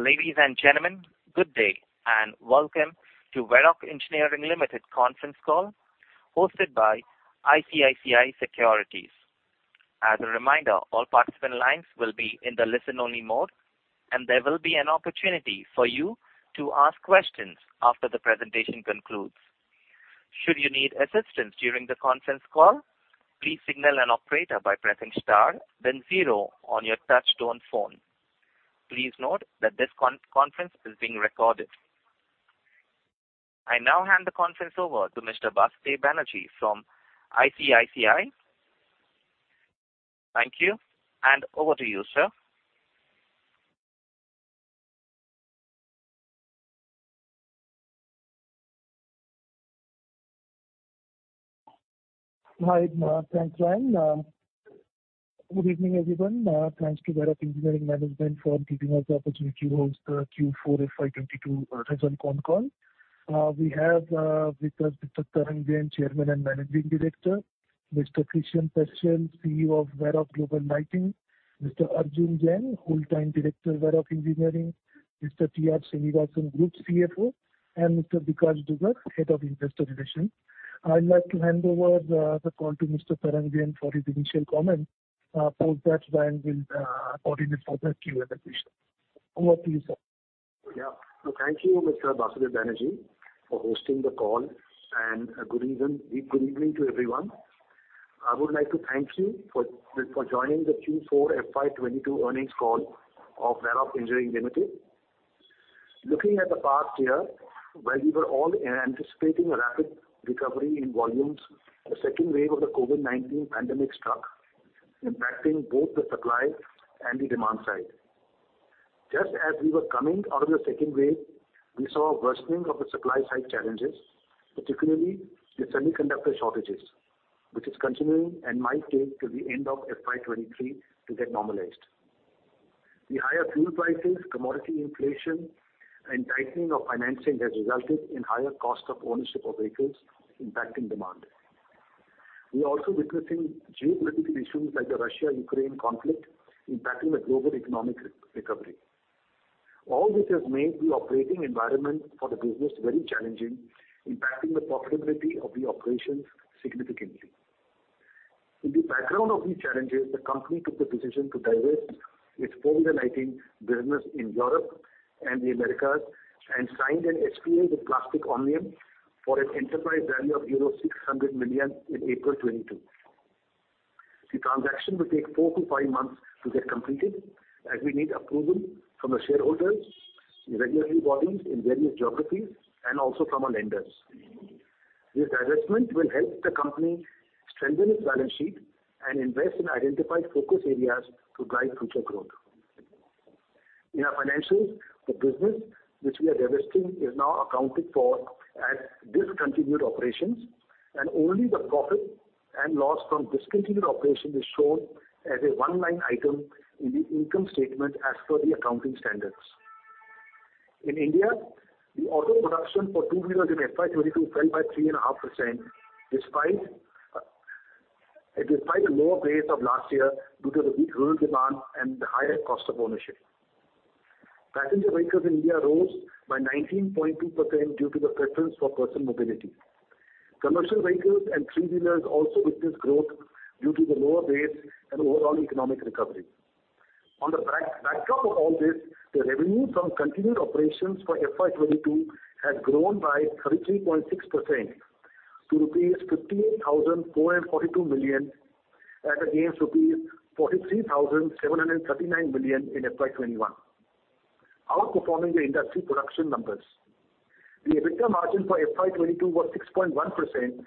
Ladies and gentlemen, good day, and welcome to Varroc Engineering Limited conference call hosted by ICICI Securities. As a reminder, all participant lines will be in the listen-only mode, and there will be an opportunity for you to ask questions after the presentation concludes. Should you need assistance during the conference call, please signal an operator by pressing star then zero on your touchtone phone. Please note that this conference is being recorded. I now hand the conference over to Mr. Basudeb Banerjee from ICICI. Thank you, and over to you, sir. Hi, thanks, Ryan. Good evening, everyone. Thanks to Varroc Engineering management for giving us the opportunity to host the Q4 FY 2022 results concall. We have with us Mr. Tarang Jain, Chairman and Managing Director, Mr. Christian Päschel, CEO of Varroc Lighting Systems, Mr. Arjun Jain, Whole-time Director, Varroc Engineering, Mr. T.R. Srinivasan, Group CFO, and Mr. Bikash Dugar, Head of Investor Relations. I'd like to hand over the call to Mr. Tarang Jain for his initial comments. Post that, Ryan will coordinate further Q&A session. Over to you, sir. Thank you, Mr. Basudeb Banerjee, for hosting the call, and good evening to everyone. I would like to thank you for joining the Q4 FY 2022 earnings call of Varroc Engineering Limited. Looking at the past year, while we were all anticipating a rapid recovery in volumes, the second wave of the COVID-19 pandemic struck, impacting both the supply and the demand side. Just as we were coming out of the second wave, we saw a worsening of the supply side challenges, particularly the semiconductor shortages, which is continuing and might take till the end of FY 2023 to get normalized. The higher fuel prices, commodity inflation, and tightening of financing has resulted in higher cost of ownership of vehicles impacting demand. We're also witnessing geopolitical issues like the Russia-Ukraine Conflict impacting the global economic re-recovery. All this has made the operating environment for the business very challenging, impacting the profitability of the operations significantly. In the background of these challenges, the company took the decision to divest its four-wheeler lighting business in Europe and the Americas, and signed an SPA with Plastic Omnium for an enterprise value of euro 600 million in April 2022. The transaction will take four to five months to get completed as we need approval from the shareholders, regulatory bodies in various geographies, and also from our lenders. This divestment will help the company strengthen its balance sheet and invest in identified focus areas to drive future growth. In our financials, the business which we are divesting is now accounted for as discontinued operations, and only the profit and loss from discontinued operation is shown as a one-line item in the income statement as per the accounting standards. In India, the auto production for two-wheelers in FY 2022 fell by 3.5% despite the lower base of last year due to the reduced demand and the higher cost of ownership. Passenger vehicles in India rose by 19.2% due to the preference for personal mobility. Commercial vehicles and three-wheelers also witnessed growth due to the lower base and overall economic recovery. On the backdrop of all this, the revenue from continued operations for FY 2022 has grown by 33.6% to rupees 58,442 million as against rupees 43,739 million in FY 2021, outperforming the industry production numbers. The EBITDA margin for FY 2022 was 6.1%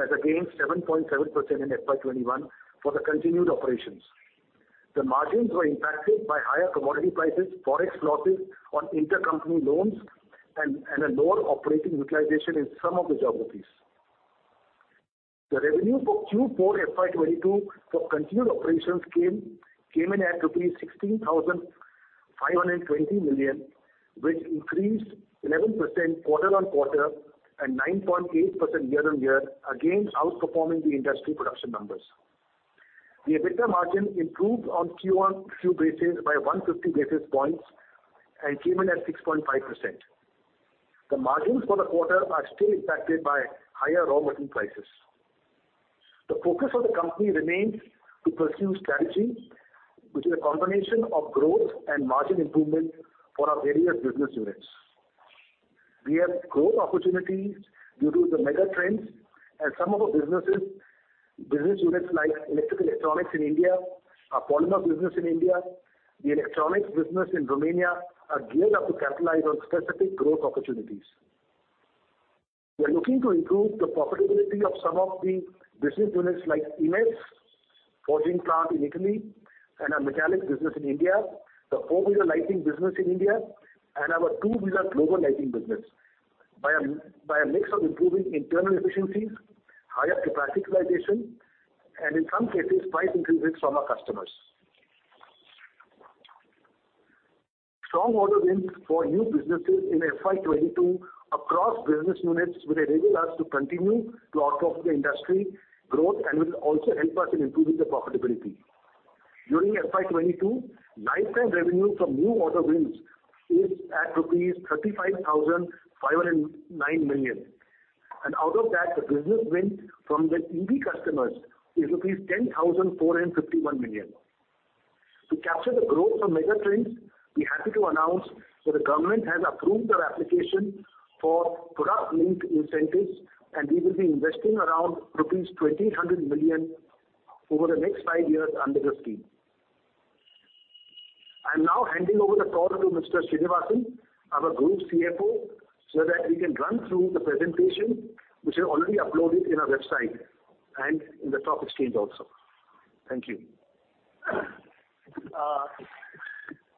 as against 7.7% in FY 2021 for the continued operations. The margins were impacted by higher commodity prices, Forex losses on intercompany loans and a lower operating utilization in some of the geographies. The revenue for Q4 FY 2022 for continued operations came in at rupees 16,520 million, which increased 11% quarter-on-quarter and 9.8% year-on-year, again outperforming the industry production numbers. The EBITDA margin improved on Q-on-Q basis by 150 basis points and came in at 6.5%. The margins for the quarter are still impacted by higher raw material prices. The focus of the company remains to pursue strategy, which is a combination of growth and margin improvement for our various business units. We have growth opportunities due to the mega trends and some of our businesses, business units like electric & electronics in India, our polymer business in India, the electronics business in Romania, are geared up to capitalize on specific growth opportunities. We are looking to improve the profitability of some of the business units like IMES, forging plant in Italy and our metallic business in India, the four-wheeler lighting business in India and our two-wheeler global lighting business by a mix of improving internal efficiencies, higher capacity utilization and in some cases, price increases from our customers. Strong order wins for new businesses in FY 2022 across business units will enable us to continue to outpace the industry growth and will also help us in improving the profitability. During FY 2022, lifetime revenue from new order wins is at rupees 35,509 million. Out of that, the business wins from the EV customers is rupees 10,451 million. To capture the growth on mega trends, we're happy to announce that the government has approved our application for product-linked incentives, and we will be investing around rupees 2,000 million over the next five years under the scheme. I'm now handing over the call to Mr. T.R. Srinivasan, our Group CFO, so that we can run through the presentation, which is already uploaded in our website and in the topic page also. Thank you.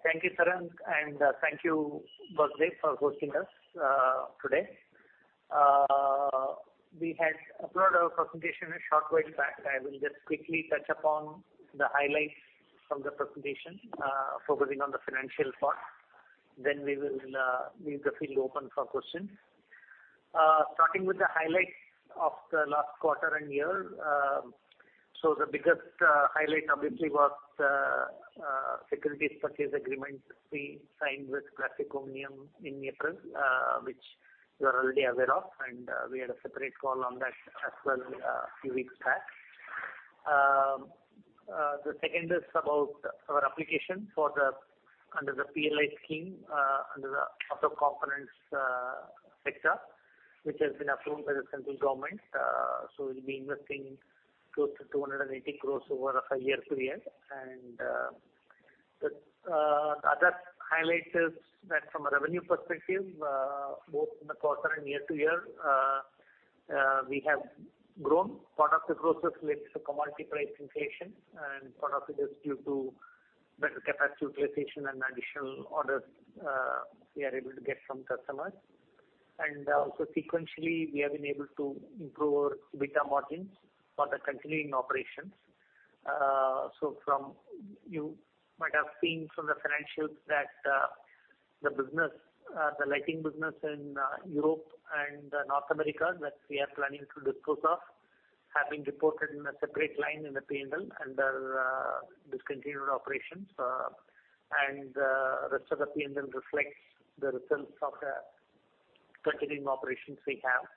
Thank you, Tarang Jain, and thank you, Basudeb Banerjee, for hosting us today. We had uploaded our presentation a short while back. I will just quickly touch upon the highlights from the presentation, focusing on the financial part. We will leave the floor open for questions. Starting with the highlights of the last quarter and year. The biggest highlight obviously was the securities purchase agreement we signed with Plastic Omnium in April, which you are already aware of, and we had a separate call on that as well a few weeks back. The second is about our application under the PLI scheme under the auto components sector, which has been approved by the central government. We'll be investing close to 280 crores over a five year period. The other highlight is that from a revenue perspective, both in the quarter and year-to-year, we have grown. Part of the growth is related to commodity price inflation, and part of it is due to better capacity utilization and additional orders we are able to get from customers. Sequentially, we have been able to improve our EBITDA margins for the continuing operations. You might have seen from the financials that the lighting business in Europe and North America that we are planning to dispose of have been reported in a separate line in the P&L under discontinued operations. Rest of the P&L reflects the results of the continuing operations we have.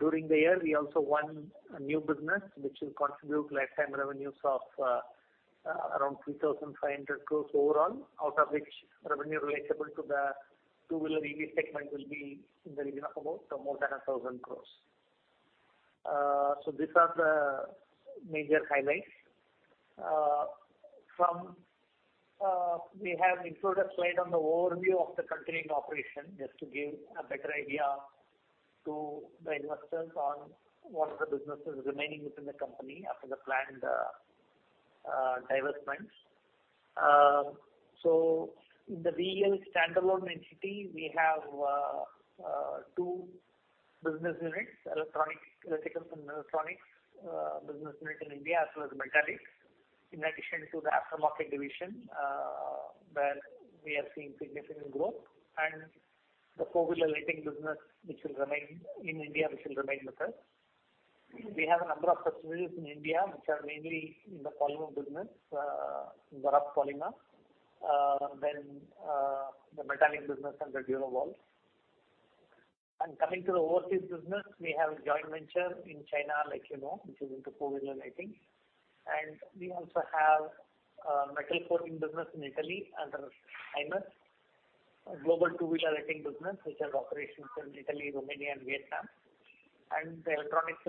During the year, we also won a new business which will contribute lifetime revenues of around 3,500 crores overall, out of which revenue relatable to the two-wheeler EV segment will be in the region of about more than 1,000 crores. These are the major highlights. We have included a slide on the overview of the continuing operation, just to give a better idea to the investors on what the business is remaining within the company after the planned divestments. In the VL standalone entity, we have two business units, electrical and electronics business unit in India as well as metallics. In addition to the aftermarket division, where we are seeing significant growth and the four-wheeler lighting business which will remain in India, which will remain with us. We have a number of subsidiaries in India, which are mainly in the polymer business in Varroc Polymers. Then the metallic business under Durovalves. Coming to the overseas business, we have a joint venture in China, like you know, which is into four-wheeler lighting. We also have metal coating business in Italy under IMES. A global two-wheeler lighting business, which has operations in Italy, Romania, and Vietnam. The electronics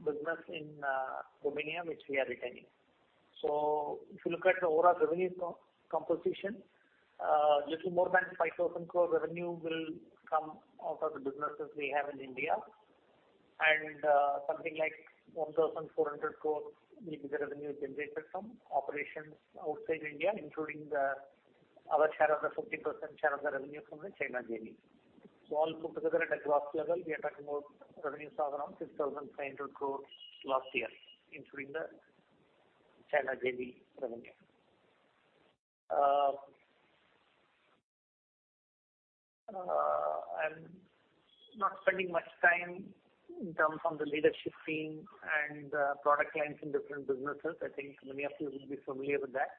business in Romania, which we are retaining. If you look at the overall revenue composition, little more than 5,000 crore revenue will come out of the businesses we have in India. Something like 1,400 crore will be the revenue generated from operations outside India, including our share of the 50% share of the revenue from the China JV. All put together at a group level, we are talking about revenues of around 6,500 crores last year, including the China JV revenue. I'm not spending much time in terms of the leadership team and product lines in different businesses. I think many of you will be familiar with that.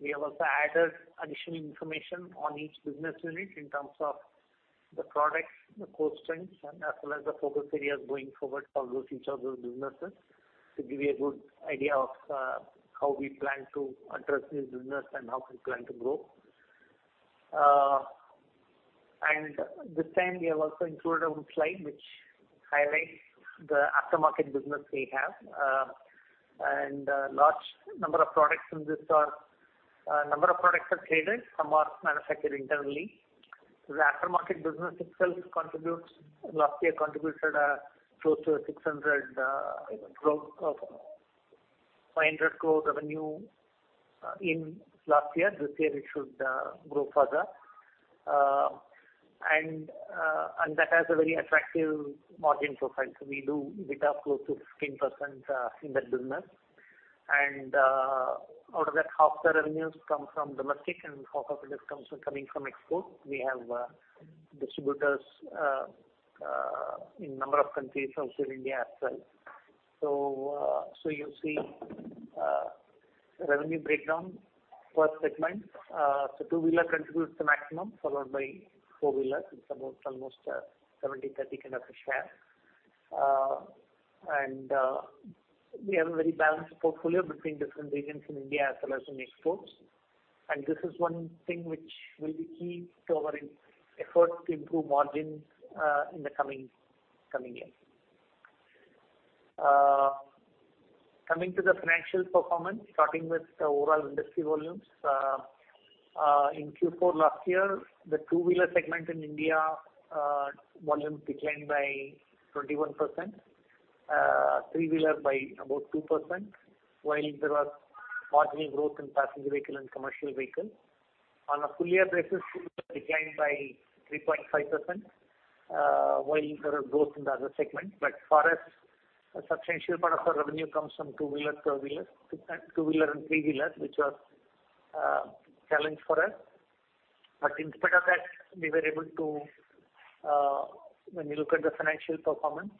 We have also added additional information on each business unit in terms of the products, the core strengths, and as well as the focus areas going forward for each of those businesses to give you a good idea of how we plan to address this business and how we plan to grow. This time we have also included one slide which highlights the aftermarket business we have. A number of products are traded, some are manufactured internally. The aftermarket business itself contributed 500 crore revenue last year. This year, it should grow further. That has a very attractive margin profile. We do EBITDA close to 15% in that business. Out of that, half the revenues come from domestic and half comes from export. We have distributors in a number of countries outside India as well. You see the revenue breakdown per segment. Two-wheeler contributes the maximum, followed by four-wheeler. It's about almost 70%-30% kind of a share. We have a very balanced portfolio between different regions in India as well as in exports. This is one thing which will be key to our efforts to improve margins in the coming year. Coming to the financial performance, starting with the overall industry volumes. In Q4 last year, the two-wheeler segment in India volumes declined by 21%, three-wheeler by about 2%, while there was marginal growth in passenger vehicle and commercial vehicle. On a full year basis, it declined by 3.5%, while there was growth in the other segment. For us, a substantial part of our revenue comes from two-wheeler, four-wheeler, two-wheeler and three-wheeler, which was a challenge for us. In spite of that, we were able to, when you look at the financial performance,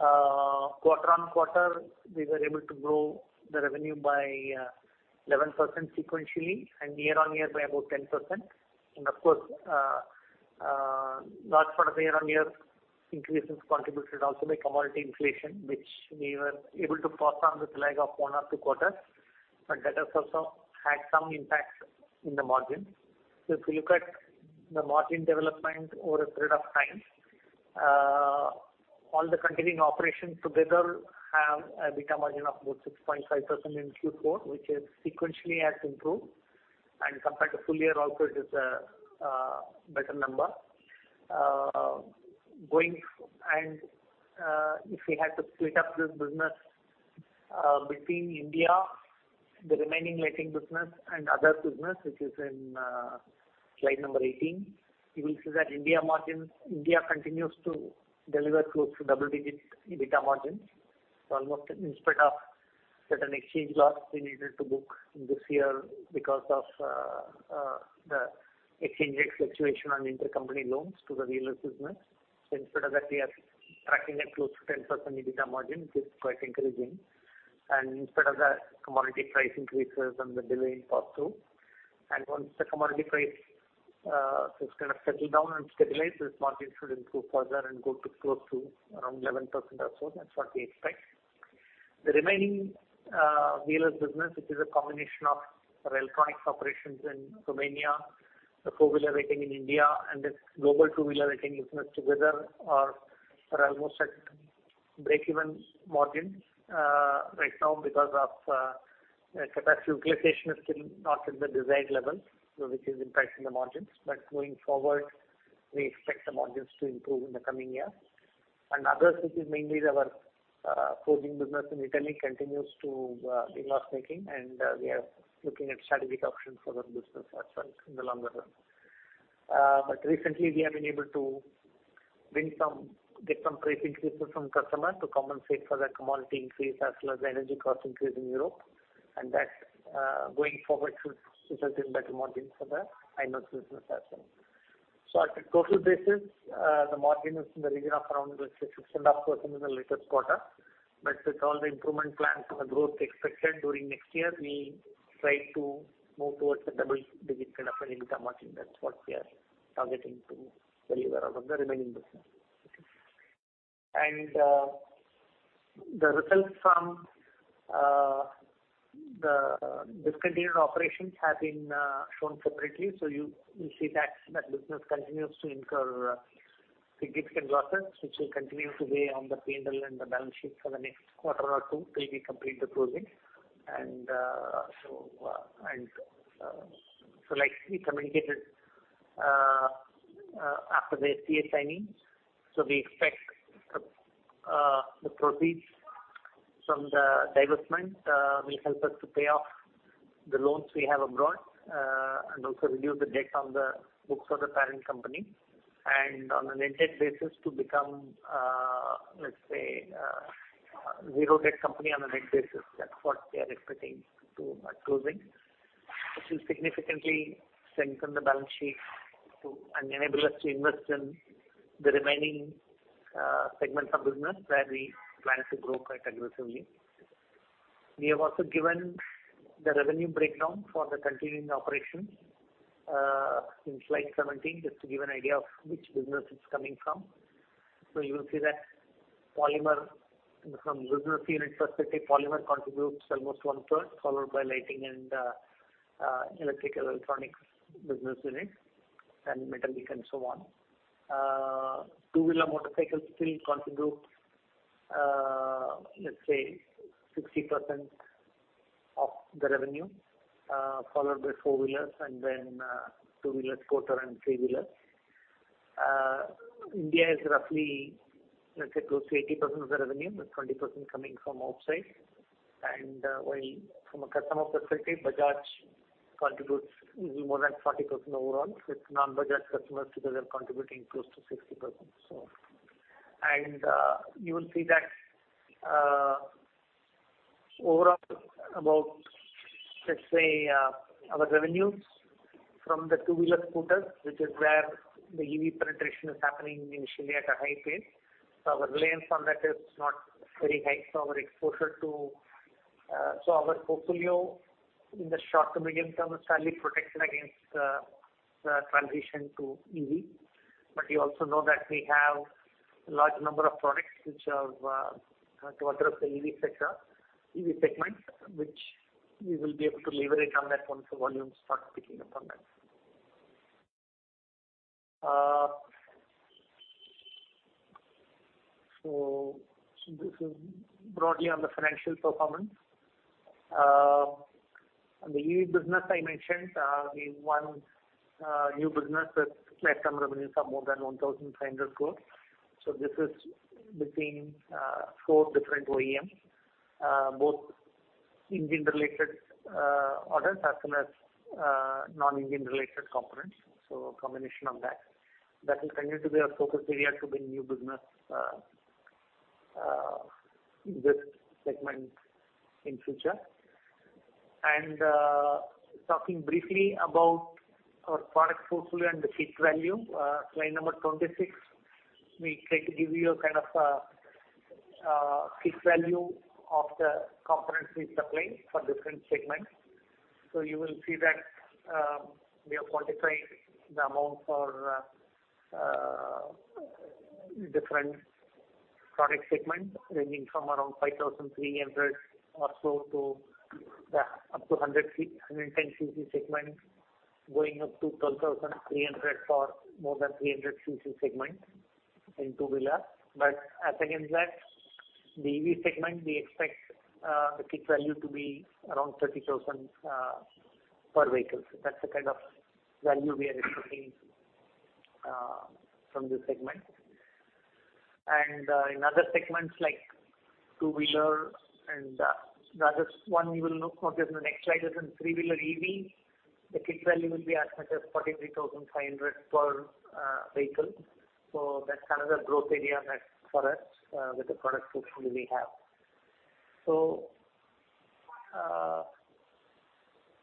quarter-on-quarter, we were able to grow the revenue by 11% sequentially and year-on-year by about 10%. Of course, large part of year-on-year increase is contributed also by commodity inflation, which we were able to pass on with lag of one or two quarters, but that has also had some impact in the margin. If you look at the margin development over a period of time, all the continuing operations together have a EBITDA margin of about 6.5% in Q4, which has sequentially improved. Compared to full year also it is a better number. If we had to split up this business between India, the remaining lighting business and other business, which is in slide number 18, you will see that India margins, India continues to deliver close to double-digit EBITDA margins. Almost in spite of certain exchange loss we needed to book in this year because of the exchange rate fluctuation on intercompany loans to the two-wheelers business. In spite of that, we are tracking at close to 10% EBITDA margin, which is quite encouraging. In spite of the commodity price increases and the delay in pass-through, and once the commodity price is gonna settle down and stabilize, this margin should improve further and go to close to around 11% or so. That's what we expect. The remaining two-wheelers business, which is a combination of Varroc Electronics Romania operations in Romania, the four-wheeler lighting in India, and this global two-wheeler lighting business together are almost at breakeven margins right now because of capacity utilization is still not at the desired level, so which is impacting the margins. Going forward, we expect the margins to improve in the coming year. Others, which is mainly our forging business in Italy, continues to be loss-making, and we are looking at strategic options for that business as well in the longer term. Recently we have been able to get some price increases from customer to compensate for that commodity increase as well as the energy cost increase in Europe. That going forward should result in better margins for the IMES business as well. At a total basis, the margin is in the region of around, let's say, 6.5% in the latest quarter. With all the improvement plans and the growth expected during next year, we try to move towards a double-digit kind of an EBITDA margin. That's what we are targeting to deliver out of the remaining business. The results from the discontinued operations have been shown separately. You see that that business continues to incur significant losses, which will continue to weigh on the P&L and the balance sheet for the next quarter or two till we complete the closing. Like we communicated after the SPA signing. We expect the proceeds from the divestment will help us to pay off the loans we have abroad and also reduce the debt on the books of the parent company. On a net debt basis to become, let's say, zero debt company on a net basis. That's what we are expecting to closing, which will significantly strengthen the balance sheet and enable us to invest in the remaining segments of business where we plan to grow quite aggressively. We have also given the revenue breakdown for the continuing operations in slide 17, just to give an idea of which business it's coming from. You will see that polymer, from business unit perspective, polymer contributes almost 1/3, followed by lighting and electrical electronics business units and metallic and so on. Two-wheeler motorcycles still contribute, let's say 60% of the revenue, followed by four-wheelers and then two-wheeler scooter and three-wheeler. India is roughly, let's say close to 80% of the revenue, with 20% coming from overseas. While from a customer perspective, Bajaj contributes easily more than 40% overall, with non-Bajaj customers together contributing close to 60%. You will see that overall about, let's say, our revenues from the two-wheeler scooters, which is where the EV penetration is happening initially at a high pace. Our reliance on that is not very high. Our portfolio in the short to medium term is fairly protected against the transition to EV. You also know that we have a large number of products which are to address the EV sector, EV segment, which we will be able to leverage on that once the volumes start picking up on that. This is broadly on the financial performance. On the EV business I mentioned, we won new business with lifetime revenues of more than 1,300 crore. This is between four different OEMs, both engine-related orders as well as non-engine-related components. A combination of that. That will continue to be our focus area to bring new business in this segment in future. Talking briefly about our product portfolio and the kit value, slide number 26, we try to give you a kind of kit value of the components we supplying for different segments. You will see that, we are quantifying the amount for different product segments ranging from around 5,300 or so to up to 110cc segment, going up to 12,300 for more than 300cc segment in two-wheeler. As against that, the EV segment, we expect the kit value to be around 30,000 per vehicle. That's the kind of value we are expecting from this segment. In other segments like two-wheeler and the other one we will look more closely on the next slide is in three-wheeler EV. The kit value will be as much as 43,500 per vehicle. That's another growth area that, for us, with the product portfolio we have.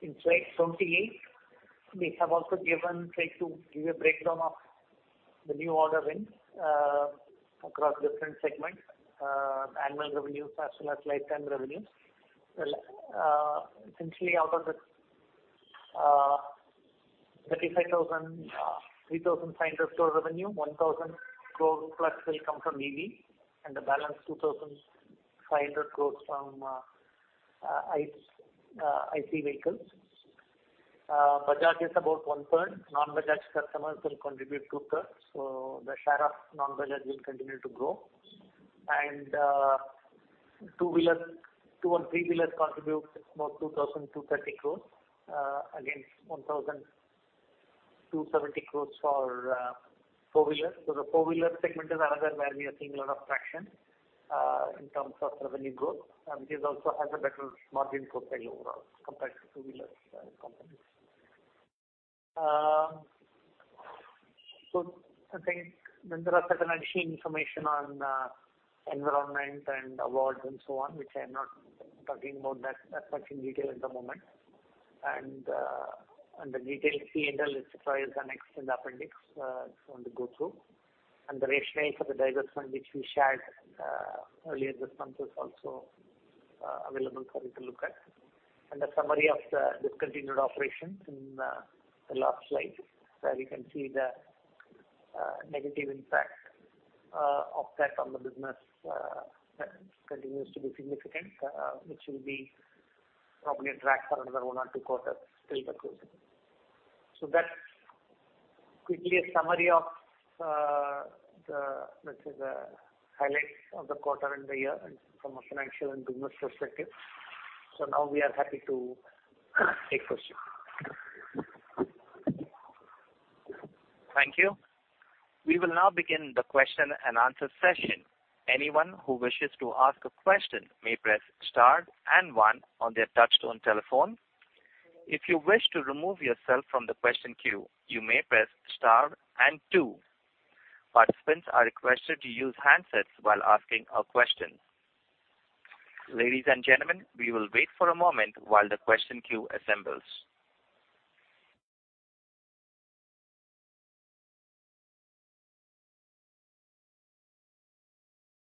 In slide 28, we have also tried to give a breakdown of the new order wins across different segments, annual revenues as well as lifetime revenues. Essentially out of the 35,000 crore, 3,500 crore revenue, 1,000 crore plus will come from EV and the balance 2,500 crore from IC vehicles. Bajaj is about 1/3. Non-Bajaj customers will contribute 2/3. The share of non-Bajaj will continue to grow. Two- and three-wheeler contribute more 2,230 crore against 1,270 crore for four-wheeler. The four-wheeler segment is another where we are seeing a lot of traction in terms of revenue growth, which also has a better margin profile overall compared to two-wheeler components. I think there are certain additional information on environment and awards and so on, which I am not talking about that much in detail at the moment. The detailed key details are provided and attached in the appendix, if you want to go through. The rationale for the divestment which we shared earlier this month is also available for you to look at. The summary of the discontinued operations in the last slide, where you can see the negative impact of that on the business, continues to be significant, which will be probably a drag for another one or two quarters till the closing. That's quickly a summary of the, let's say, the highlights of the quarter and the year and from a financial and business perspective. Now we are happy to take questions. Thank you. We will now begin the question and answer session. Anyone who wishes to ask a question may press star and one on their touch-tone telephone. If you wish to remove yourself from the question queue, you may press star and two. Participants are requested to use handsets while asking a question. Ladies and gentlemen, we will wait for a moment while the question queue assembles.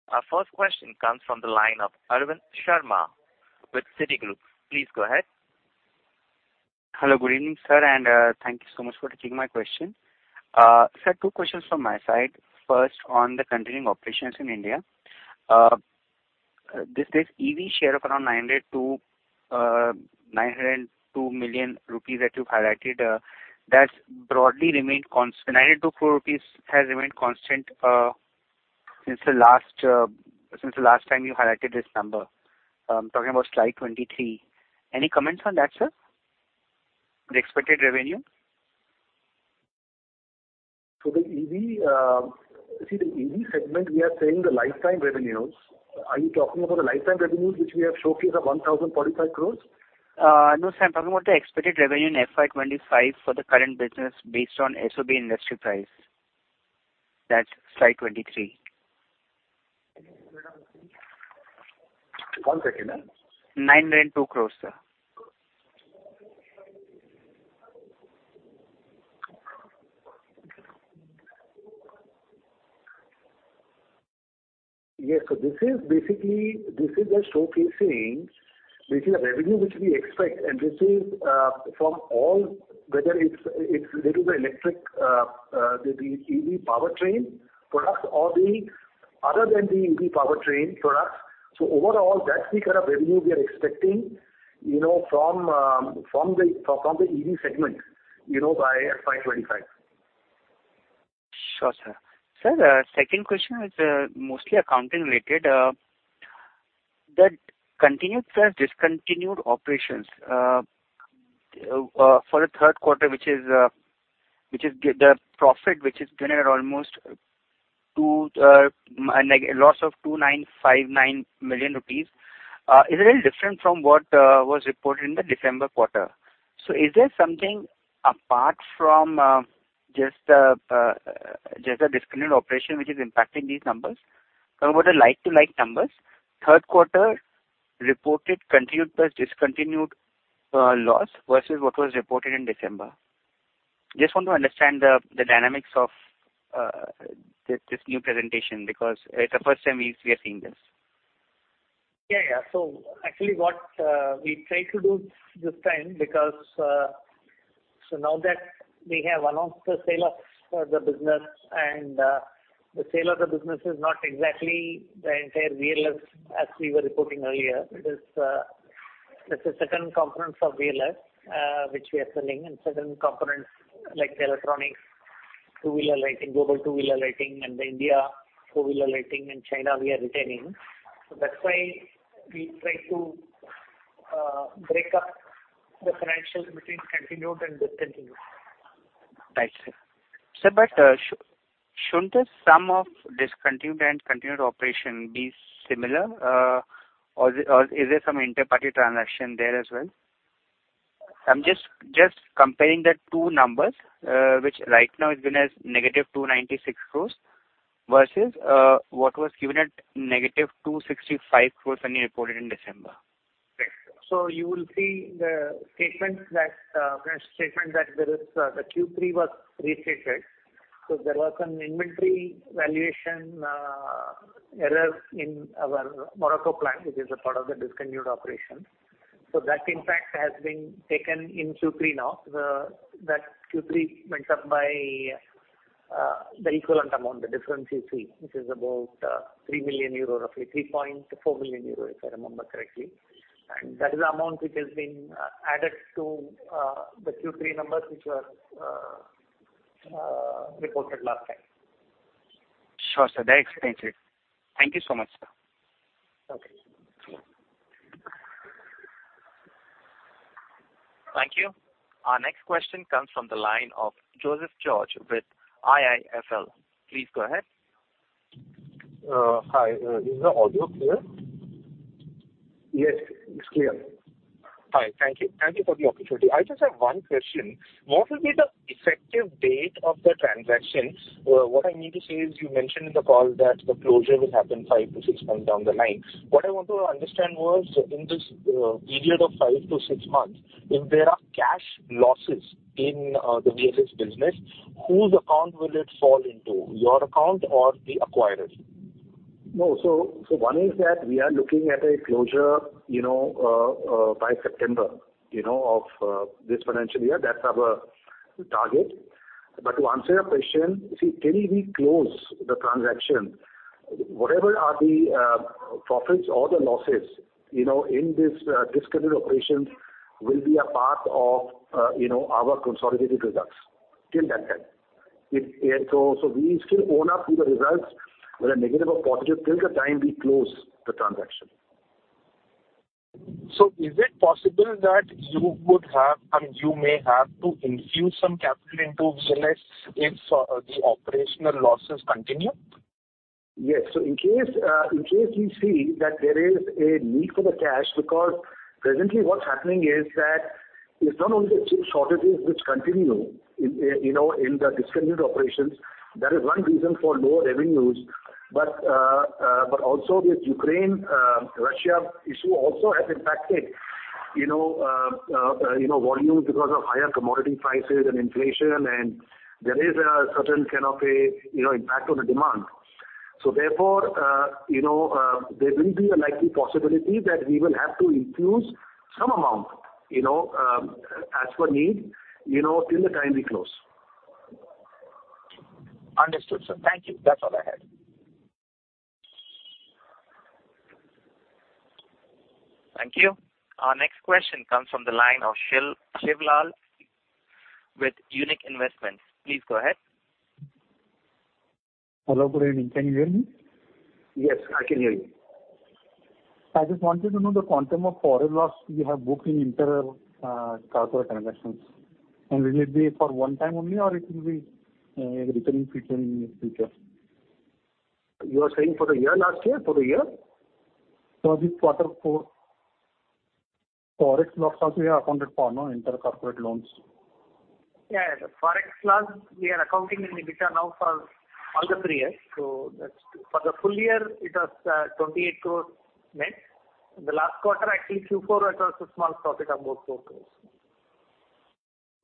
Our first question comes from the line of Arvind Sharma with Citigroup. Please go ahead. Hello, good evening, sir, and thank you so much for taking my question. Sir, two questions from my side. First, on the continuing operations in India. This EV share of around 900 million-902 million rupees that you've highlighted, that's broadly remained constant. The 902 crore rupees has remained constant since the last time you highlighted this number. I'm talking about slide 23. Any comments on that, sir? The expected revenue? The EV, see the EV segment, we are saying the lifetime revenues. Are you talking about the lifetime revenues, which we have showcased at 1,045 crores? No, sir. I'm talking about the expected revenue in FY 2025 for the current business based on SOB industry price. That's slide 23. One second. INR 2.9 crore, sir. Yes. This is basically the showcasing. This is the revenue which we expect, and this is from all, whether it's related to electric the EV Powertrain products or other than the EV Powertrain products. Overall, that's the kind of revenue we are expecting, you know, from the EV segment, you know, by FY 2025. Sure, sir. Sir, second question is mostly accounting related. The continuing & discontinued operations for the third quarter, which is the loss of 2,959 million rupees, is a little different from what was reported in the December quarter. Is there something apart from just the discontinued operation which is impacting these numbers? Talking about the like-for-like numbers, third quarter reported continuing & discontinued loss versus what was reported in December. Just want to understand the dynamics of this new presentation because it's the first time we are seeing this. Actually, what we tried to do this time, because now that we have announced the sale of the business, the sale of the business is not exactly the entire VLS as we were reporting earlier. It is just a certain components of VLS which we are selling, and certain components like the electronics, two-wheeler lighting, global two-wheeler lighting in India, four-wheeler lighting in China we are retaining. That's why we try to break up the financials between continued and discontinued. Right, sir. Sir, shouldn't the sum of discontinued and continued operation be similar? Is there some interparty transaction there as well? I'm just comparing the two numbers, which right now is given as -296 crores versus what was given at -265 crores when you reported in December. You will see the press statement that there is the Q3 was restated. There was an inventory valuation error in our Morocco plant, which is a part of the discontinued operation. That impact has been taken in Q3 now. That Q3 went up by the equivalent amount, the difference you see, which is about 3 million euro, roughly 3.4 million euro, if I remember correctly. That is the amount which has been added to the Q3 numbers which were reported last time. Sure, sir. That explains it. Thank you so much, sir. Okay. Thank you. Our next question comes from the line of Joseph George with IIFL. Please go ahead. Hi. Is the audio clear? Yes, it's clear. Hi. Thank you. Thank you for the opportunity. I just have one question. What will be the effective date of the transaction? What I mean to say is you mentioned in the call that the closure will happen 5-6 months down the line. What I want to understand was in this period of 5-6 months, if there are cash losses in the VLS business, whose account will it fall into, your account or the acquirers? No. One is that we are looking at a closure, you know, by September, you know, of this financial year. That's our target. To answer your question, see, till we close the transaction, whatever are the profits or the losses, you know, in this discontinued operation will be a part of, you know, our consolidated results till that time. Yeah, we still own up to the results, whether negative or positive, till the time we close the transaction. Is it possible that you would have, I mean, you may have to infuse some capital into VLS if the operational losses continue? Yes. In case we see that there is a need for the cash because presently what's happening is that it's not only chip shortages which continue in, you know, in the discontinued operations. That is one reason for lower revenues. Also this Ukraine, Russia issue also has impacted, you know, volume because of higher commodity prices and inflation, and there is a certain kind of a, you know, impact on the demand. Therefore, there will be a likely possibility that we will have to infuse some amount, you know, as per need, you know, till the time we close. Understood, sir. Thank you. That's all I had. Thank you. Our next question comes from the line of Shivlal with Unique Investments. Please go ahead. Hello, good evening. Can you hear me? Yes, I can hear you. I just wanted to know the quantum of forex loss you have booked in internal corporate transactions. Will it be for one time only or it will be a recurring feature in near future? You are saying for the year-last-year, for the year? For this quarter four. Forex loss also we have accounted for. No intercorporate loans. The Forex loss we are accounting in the return now for all the three years. For the full year, it was 28 crores net. The last quarter, actually Q4, it was a small profit of about 4 crores.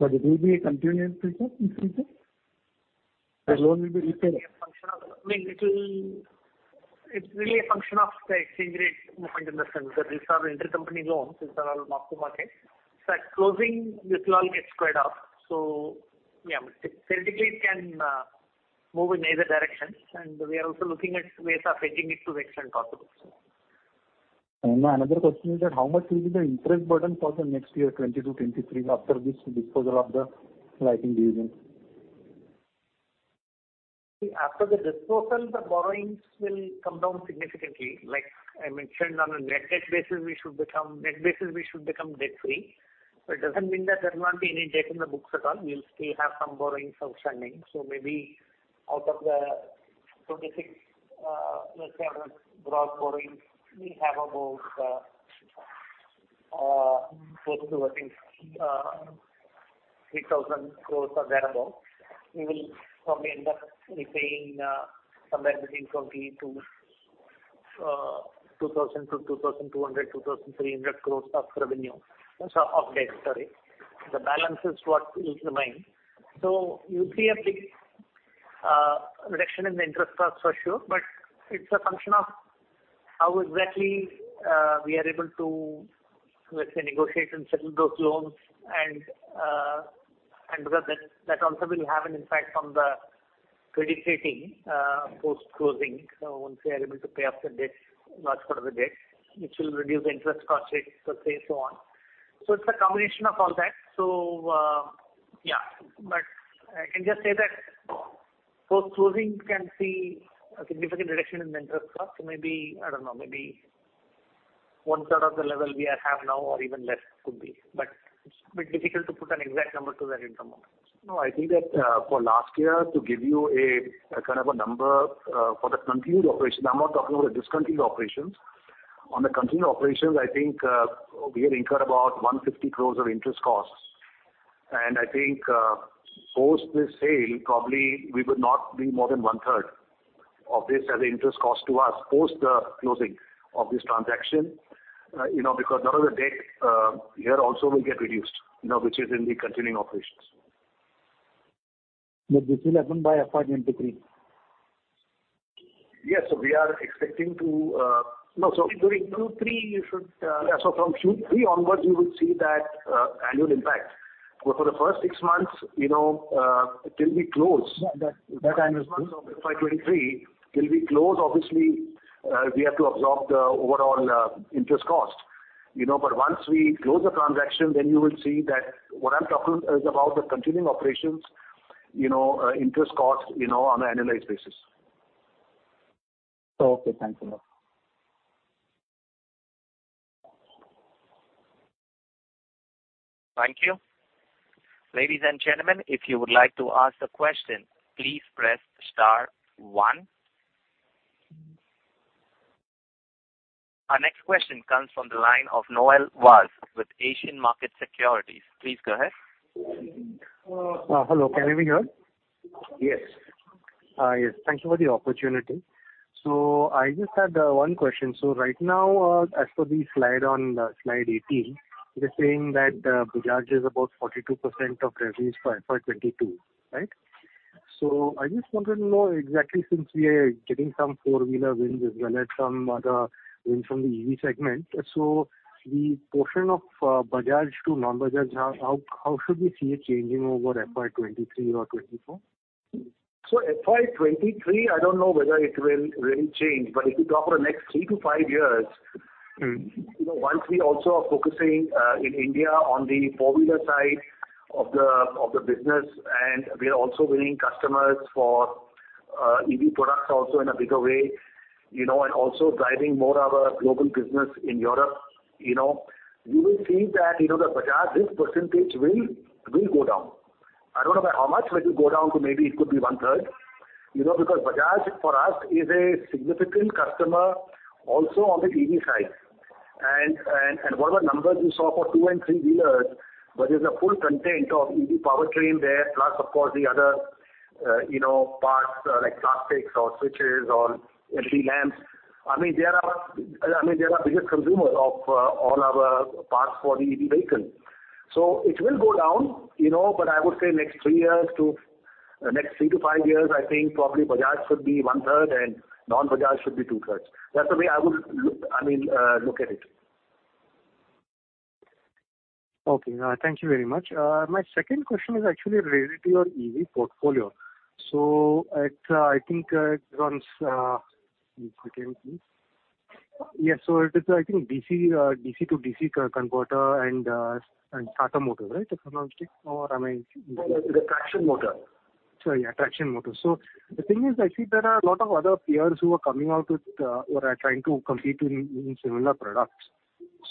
It will be a continuing feature in future? The loan will be repaid. It's really a function of the exchange rate movement in the sense that these are intercompany loans. These are all mark-to-market. So at closing, this will all get squared off. So yeah, theoretically it can move in either direction, and we are also looking at ways of hedging it to the extent possible, so. My another question is that how much will be the interest burden for the next year, 2022, 2023, after this disposal of the lighting division? After the disposal, the borrowings will come down significantly. Like I mentioned, on a net debt basis, we should become debt-free. It doesn't mean that there will not be any debt in the books at all. We'll still have some borrowings outstanding. Maybe out of the 2,600, let's say, gross borrowings, we have about close to I think, 3,000 crores or thereabout. We will probably end up repaying somewhere between 2,000 to 2,200, 2,300 crores of revenue. Sorry, of debt, sorry. The balance is what is remaining. You'll see a big reduction in the interest costs for sure, but it's a function of how exactly we are able to, let's say, negotiate and settle those loans and because that also will have an impact on the credit rating post-closing. Once we are able to pay off the debt, large part of the debt, which will reduce the interest cost rate, let's say, so on. It's a combination of all that. Yeah. But I can just say that post-closing can see a significant reduction in the interest cost. Maybe, I don't know, maybe one-third of the level we have now or even less could be. But it's a bit difficult to put an exact number to that at the moment. No, I think that for last year, to give you a kind of a number, for the continued operation, I'm not talking about the discontinued operations. On the continued operations, I think we had incurred about 150 crores of interest costs. I think post this sale, probably we would not be more than one-third of this as interest cost to us, post the closing of this transaction. You know, because none of the debt here also will get reduced, you know, which is in the continuing operations. This will happen by FY 2023? From Q3 onwards, you would see that annual impact. For the first six months, you know, till we close. Yeah. That I understood. First months of FY 2023, till we close, obviously, we have to absorb the overall interest cost. You know, once we close the transaction, then you will see that what I'm talking is about the continuing operations, you know, interest cost, you know, on an annualized basis. Okay. Thanks a lot. Thank you. Ladies and gentlemen, if you would like to ask a question, please press star one. Our next question comes from the line of Noel Vaz with Asian Market Securities. Please go ahead. Hello. Can you hear? Yes. Yes. Thank you for the opportunity. I just had one question. Right now, as per the slide on slide 18, you're saying that Bajaj is about 42% of revenues for FY 2022, right? I just wanted to know exactly since we are getting some four-wheeler wins as well as some other wins from the EV segment. The portion of Bajaj to non-Bajaj, how should we see it changing over FY 2023 or 2024? FY 2023, I don't know whether it will really change, but if you talk for the next 3-5 years. Mm-hmm. You know, once we also are focusing in India on the four-wheeler side of the business, and we are also winning customers for EV products also in a bigger way, you know, and also driving more our global business in Europe, you know. You will see that, you know, the Bajaj's percentage will go down. I don't know by how much, but it will go down to maybe it could be 1/3. You know, because Bajaj for us is a significant customer also on the EV side. Whatever numbers you saw for two and three-wheelers, but there's a full content of EV Powertrain there, plus of course the other parts like plastics or switches or LED lamps. I mean, they are our biggest consumer of all our parts for the EV vehicle. It will go down, you know, but I would say next three to five years, I think probably Bajaj should be one-third and non-Bajaj should be two-thirds. That's the way I would look, I mean, look at it. Okay. Thank you very much. My second question is actually related to your EV portfolio. It is, I think, DC-DC converter and starter motor, right? If I'm not wrong. Or I mean- The traction motor. Sorry, traction motors. The thing is, I see there are a lot of other peers who are coming out with, or are trying to compete in similar products.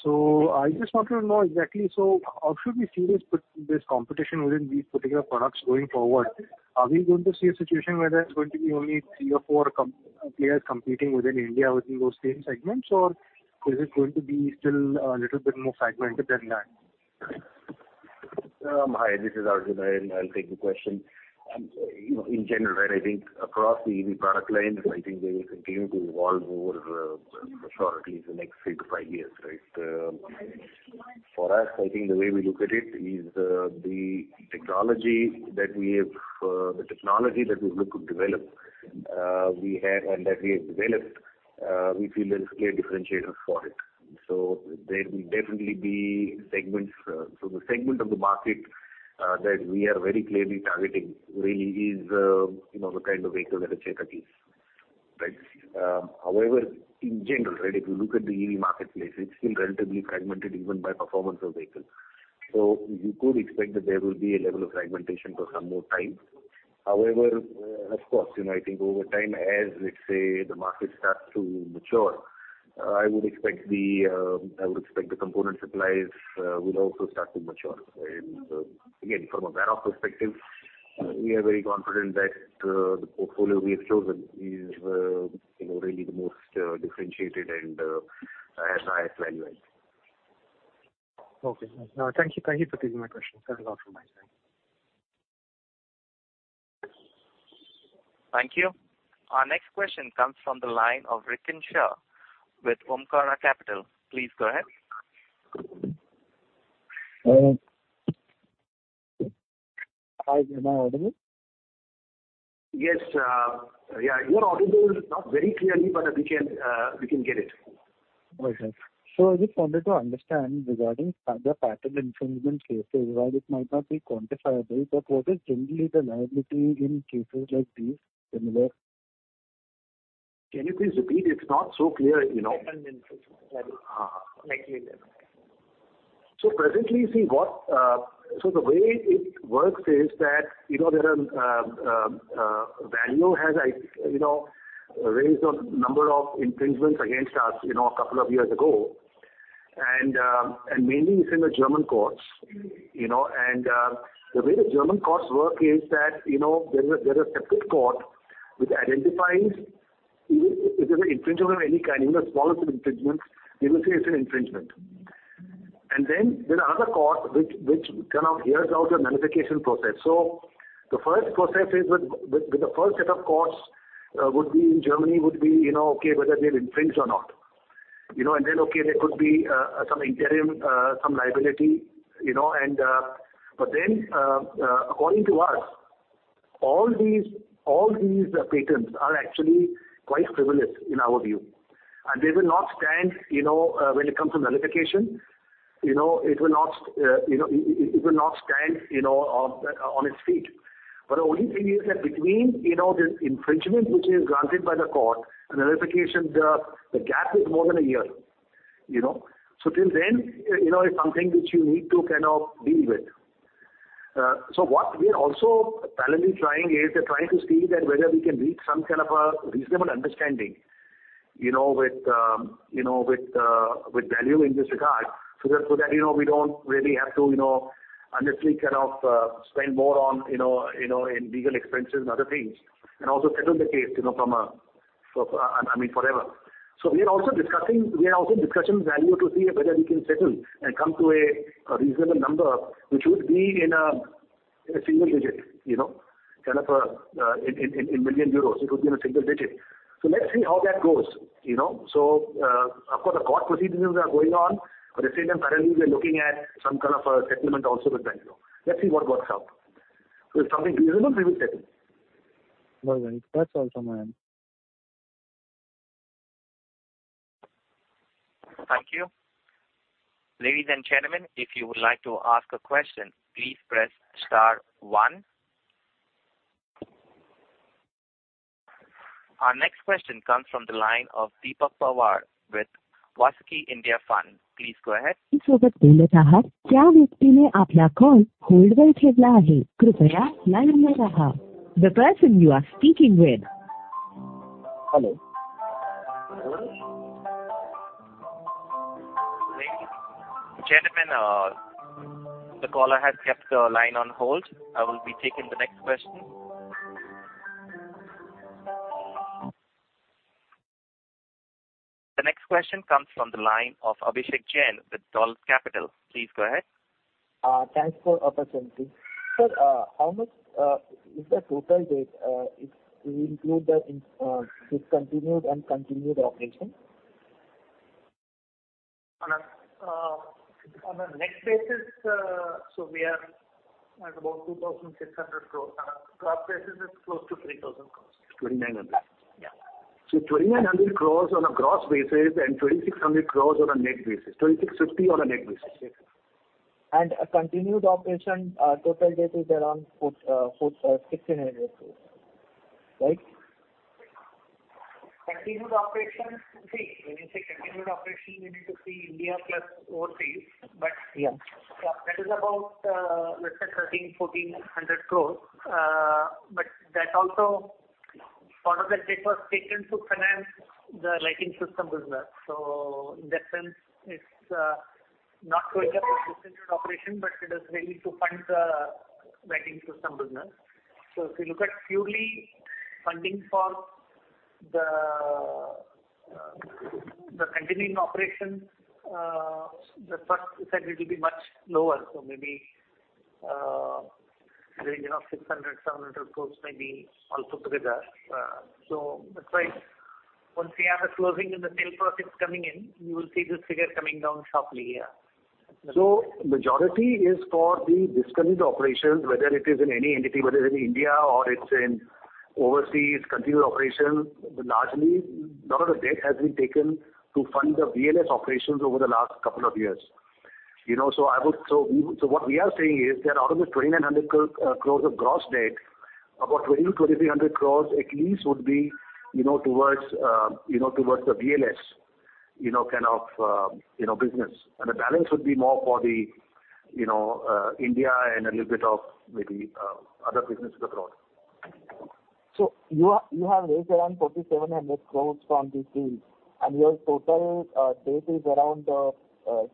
I just wanted to know exactly so how should we see this competition within these particular products going forward? Are we going to see a situation where there's going to be only three or four players competing within India within those same segments? Is it going to be still a little bit more fragmented than that? Hi, this is Arjun. I'll take the question. You know, in general, right, I think across the EV product lines, I think they will continue to evolve over, for sure, the next three to five years, right? For us, I think the way we look at it is, the technology that we have, the technology that we look to develop, we have and that we have developed, we feel there's clear differentiators for it. So there will definitely be segments. So the segment of the market, that we are very clearly targeting really is, you know, the kind of vehicle that a Chetak is, right? However, in general, right, if you look at the EV marketplace, it's still relatively fragmented even by performance of vehicles. You could expect that there will be a level of fragmentation for some more time. However, of course, you know, I think over time, as let's say, the market starts to mature, I would expect the component suppliers would also start to mature. Again, from a Bharat perspective, we are very confident that the portfolio we have chosen is, you know, really the most differentiated and has highest value add. Okay. No, thank you. Thank you for taking my question. That's all from my side. Thank you. Our next question comes from the line of Rikin Shah with Omkara Capital. Please go ahead. Hi. Am I audible? Yes. Yeah, you're audible. Not very clearly, but we can get it. All right. I just wanted to understand regarding the patent infringement cases, while it might not be quantifiable, but what is generally the liability in cases like these similar? Can you please repeat? It's not so clear, you know. Patent infringement liability. Ah. Like we did. The way it works is that, you know, Valeo has, like, you know, raised a number of infringements against us, you know, a couple of years ago. Mainly it's in the German courts, you know. The way the German courts work is that, you know, there's a separate court which identifies if there's an infringement of any kind, even the smallest of infringements, they will say it's an infringement. Then there's another court which kind of hears out your nullification process. The first process is with the first set of courts would be in Germany, you know, okay, whether we have infringed or not. You know, and then, okay, there could be some interim liability, you know. According to us, all these patents are actually quite frivolous in our view, and they will not stand, you know, when it comes to nullification. You know, it will not stand, you know, on its feet. The only thing is that between, you know, this infringement which is granted by the court and the nullification, the gap is more than a year, you know. Till then, you know, it's something which you need to kind of deal with. What we are also parallelly trying is we're trying to see that whether we can reach some kind of a reasonable understanding, you know, with Valeo in this regard, so that we don't really have to unnecessarily kind of spend more on legal expenses and other things, and also settle the case, you know, I mean forever. We are also discussing with Valeo to see whether we can settle and come to a reasonable number, which would be in a single digit, you know, kind of in million euros, it would be in a single digit. Let's see how that goes, you know. Of course, the court proceedings are going on, but at the same time parallelly we are looking at some kind of a settlement also with Valeo. Let's see what works out. If something reasonable, we will settle. All right. That's all from my end. Thank you. Ladies and gentlemen, if you would like to ask a question, please press star one. Our next question comes from the line of Deepak Pawar with Vasuki India Fund. Please go ahead. The person you are speaking with. Hello? Hello? Ladies and gentlemen, the caller has kept the line on hold. I will be taking the next question. The next question comes from the line of Abhishek Jain with Dolat Capital. Please go ahead. Thanks for opportunity. Sir, how much is the total debt if we include the discontinued and continued operation? On a net basis, so we are at about 2,600 crores. On a gross basis, it's close to 3,000 crores. 2,900. 2,900 crore on a gross basis and 2,600 crore on a net basis. 2,650 crore on a net basis. A continued operation, total debt is around 1,600 crores, right? Continued operations. See, when you say continued operation, you need to see India plus overseas. Yeah. Yeah. That is about, let's say 1,300 crore-1,400 crore. That also, part of that debt was taken to finance the lighting system business. In that sense, it's not going as a discontinued operation, but it is really to fund the lighting system business. If you look at purely funding for the continuing operation, the net effect it will be much lower. Maybe a range of INR 600 crore-INR 700 crore maybe all put together. That's why once we have a closing and the sale proceeds coming in, you will see this figure coming down sharply. Yeah. Majority is for the discontinued operations, whether it is in any entity, whether it's in India or it's in overseas continued operations. Largely, none of the debt has been taken to fund the VLS operations over the last couple of years. What we are saying is that out of the 2,900 crore of gross debt, about 2,000 crore-2,300 crore at least would be, you know, towards, you know, towards the VLS, you know, kind of, business. The balance would be more for the, you know, India and a little bit of maybe, other businesses abroad. You have raised around 4,700 crores from this deal, and your total debt is around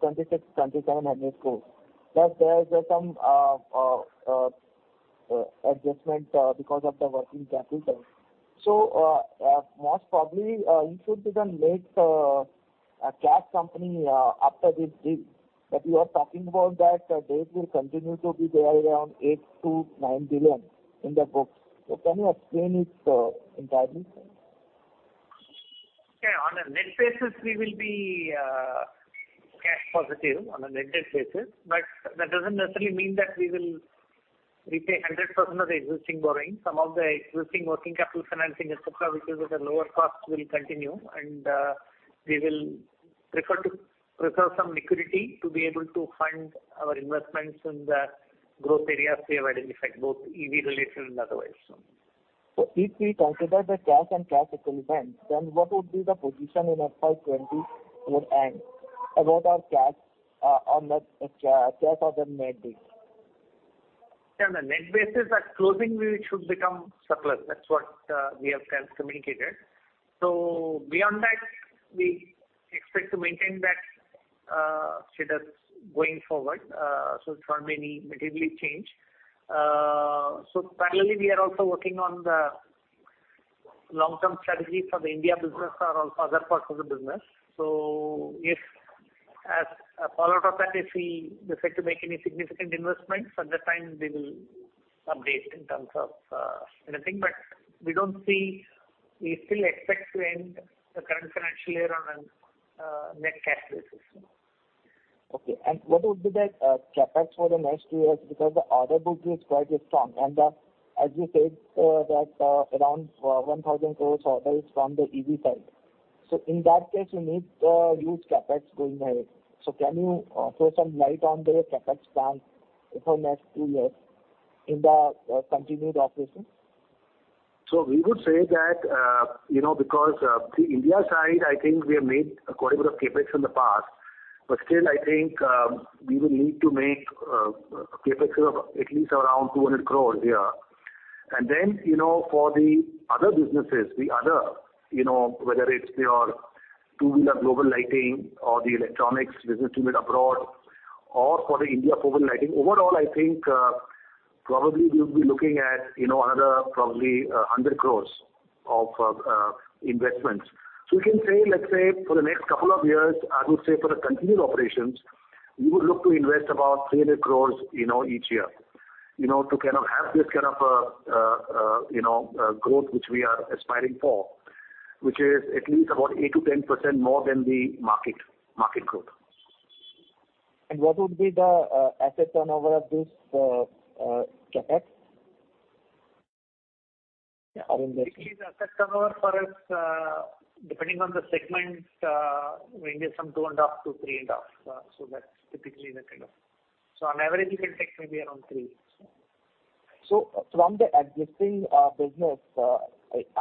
2,600-2,700 crores. Plus there is some adjustment because of the working capital. Most probably, you should become net a cash company after this deal. You are talking about that the debt will continue to be there around 8-9 billion in the books. Can you explain it entirely? Yeah. On a net basis, we will be cash positive on a net debt basis. But that doesn't necessarily mean that we will repay 100% of the existing borrowing. Some of the existing working capital financing, et cetera, which is at a lower cost, will continue. We will prefer to preserve some liquidity to be able to fund our investments in the growth areas we have identified, both EV related and otherwise. If we consider the cash and cash equivalents, then what would be the position in FY 2020 end about our cash on the cash or the net base? Yeah. On a net basis at closing, we should become surplus. That's what we have communicated. Beyond that, we expect to maintain that status going forward. It won't be any material change. Parallelly, we are also working on the long-term strategy for the India business or also other parts of the business. If as a fallout of that, if we decide to make any significant investments, at that time we will update in terms of anything. But we don't see. We still expect to end the current financial year on a net cash basis. Okay. What would be that CapEx for the next two years? Because the order book is quite strong, and as you said that around 1,000 crore orders from the EV side. In that case, you need huge CapEx going ahead. Can you throw some light on the CapEx plan for next two years in the continued operations? We would say that, you know, because the India side, I think we have made a considerable CapEx in the past, but still I think we will need to make CapEx of at least around 200 crores here. Then, you know, for the other businesses, you know, whether it's your two-wheeler global lighting or the electronics business unit abroad or for the India global lighting, overall I think probably we'll be looking at, you know, another probably 100 crores of investments. We can say, let's say for the next couple of years, I would say for the continued operations, we would look to invest about 300 crore, you know, each year, you know, to kind of have this kind of growth which we are aspiring for, which is at least about 8%-10% more than the market growth. What would be the asset turnover of this CapEx? Yeah. Typically the asset turnover for us, depending on the segment, ranges from 2.5-3.5. On average it will take maybe around 3. From the existing business,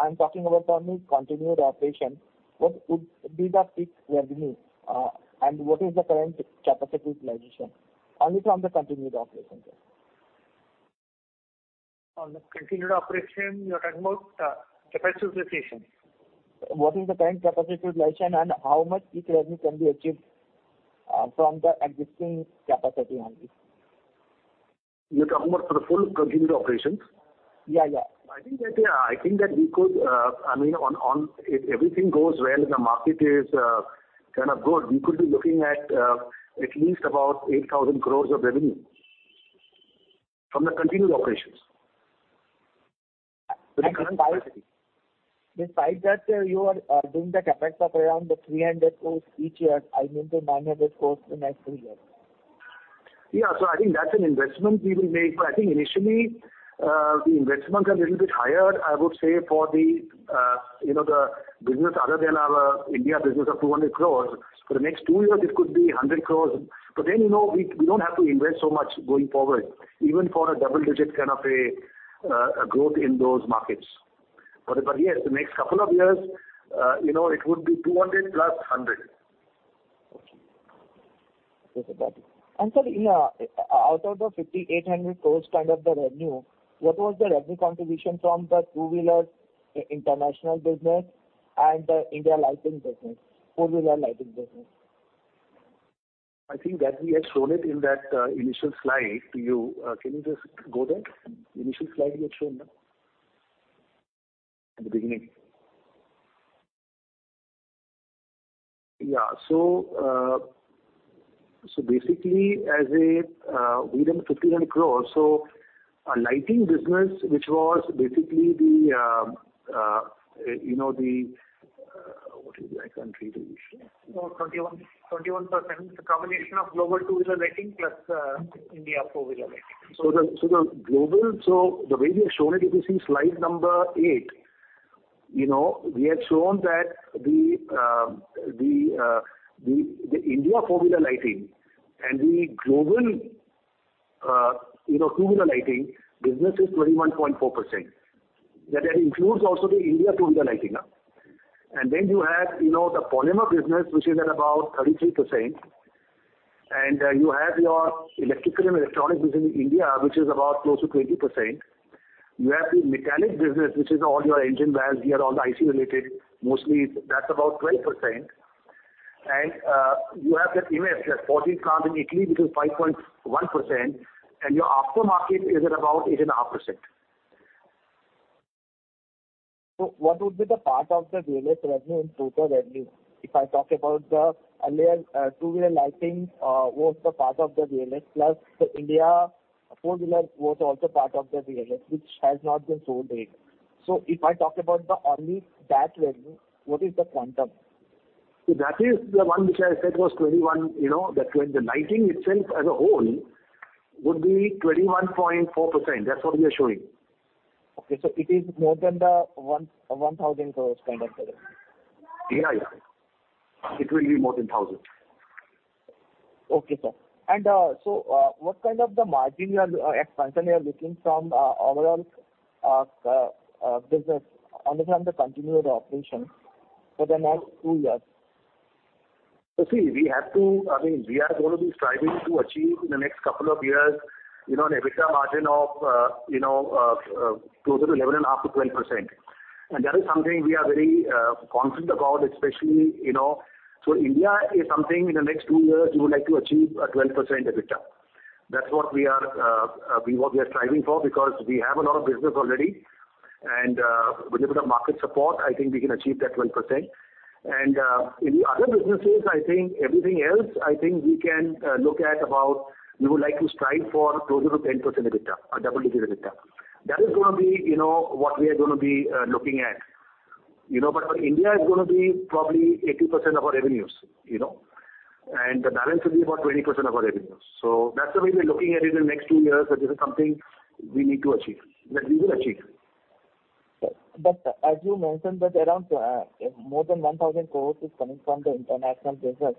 I'm talking about only continued operation, what would be the peak revenue? What is the current capacity utilization only from the continued operation then? On the continued operation, you are talking about capacity utilization. What is the current capacity utilization and how much peak revenue can be achieved, from the existing capacity only? You're talking about for the full continued operations? Yeah, yeah. I think that, yeah, I think that we could, I mean, if everything goes well and the market is kind of good, we could be looking at at least about 8,000 crores of revenue from the continued operations. Besides that, you are doing the CapEx of around 300 crores each year, I mean, the 900 crores in the next two years. Yeah. I think that's an investment we will make. I think initially, the investments are little bit higher, I would say for the, you know, the business other than our India business of 200 crores. For the next two years, it could be 100 crores. Then, you know, we don't have to invest so much going forward, even for a double-digit kind of a growth in those markets. Yes, the next couple of years, you know, it would be 200 plus 100. Sir, out of the 5,800 crore revenue, what was the revenue contribution from the two-wheeler international business and the India lighting business, four-wheeler lighting business? I think that we had shown it in that, initial slide to you. Can you just go there? Initial slide we had shown, in the beginning. Yeah. So basically, as a, we did 51 crore. So our lighting business, which was basically the, you know, the, what is that country that we showed? 21%. It's a combination of global two-wheeler lighting plus India four-wheeler lighting. The way we have shown it, if you see slide number eight, you know, we had shown that the India four-wheeler lighting and the global two-wheeler lighting business is 21.4%. That includes also the India two-wheeler lighting. Then you have, you know, the polymer business which is at about 33%. You have your electrical and electronics business in India, which is about close to 20%. You have the metallic business, which is all your engine valves, gear, all the IC related, mostly that's about 12%. You have that IMES, that forging plant in Italy, which is 5.1%, and your aftermarket is at about 8.5%. What would be the part of the VLS revenue in total revenue? If I talk about the earlier, two-wheeler lighting, was the part of the VLS, plus the India four-wheeler was also part of the VLS, which has not been sold yet. If I talk about the only that revenue, what is the quantum? That is the one which I said was 21, you know, the lighting itself as a whole would be 21.4%. That's what we are showing. Okay. It is more than the 11,000 crore kind of revenue. Yeah. It will be more than 1,000. Okay, sir. What kind of margin expansion you are looking for from overall business from the continued operations for the next two years? See, I mean, we are gonna be striving to achieve in the next couple of years, you know, an EBITDA margin of closer to 11.5%-12%. That is something we are very confident about, especially, you know. India is something in the next two years we would like to achieve a 12% EBITDA. That's what we are striving for because we have a lot of business already and with a bit of market support, I think we can achieve that 12%. In the other businesses, I think everything else, I think we can look at about we would like to strive for closer to 10% EBITDA or EBITDA. That is gonna be, you know, what we are gonna be looking at. You know, but for India is gonna be probably 80% of our revenues, you know. The balance will be about 20% of our revenues. That's the way we're looking at it in the next two years, that this is something we need to achieve, that we will achieve. As you mentioned that around more than 1,000 crore is coming from the international business,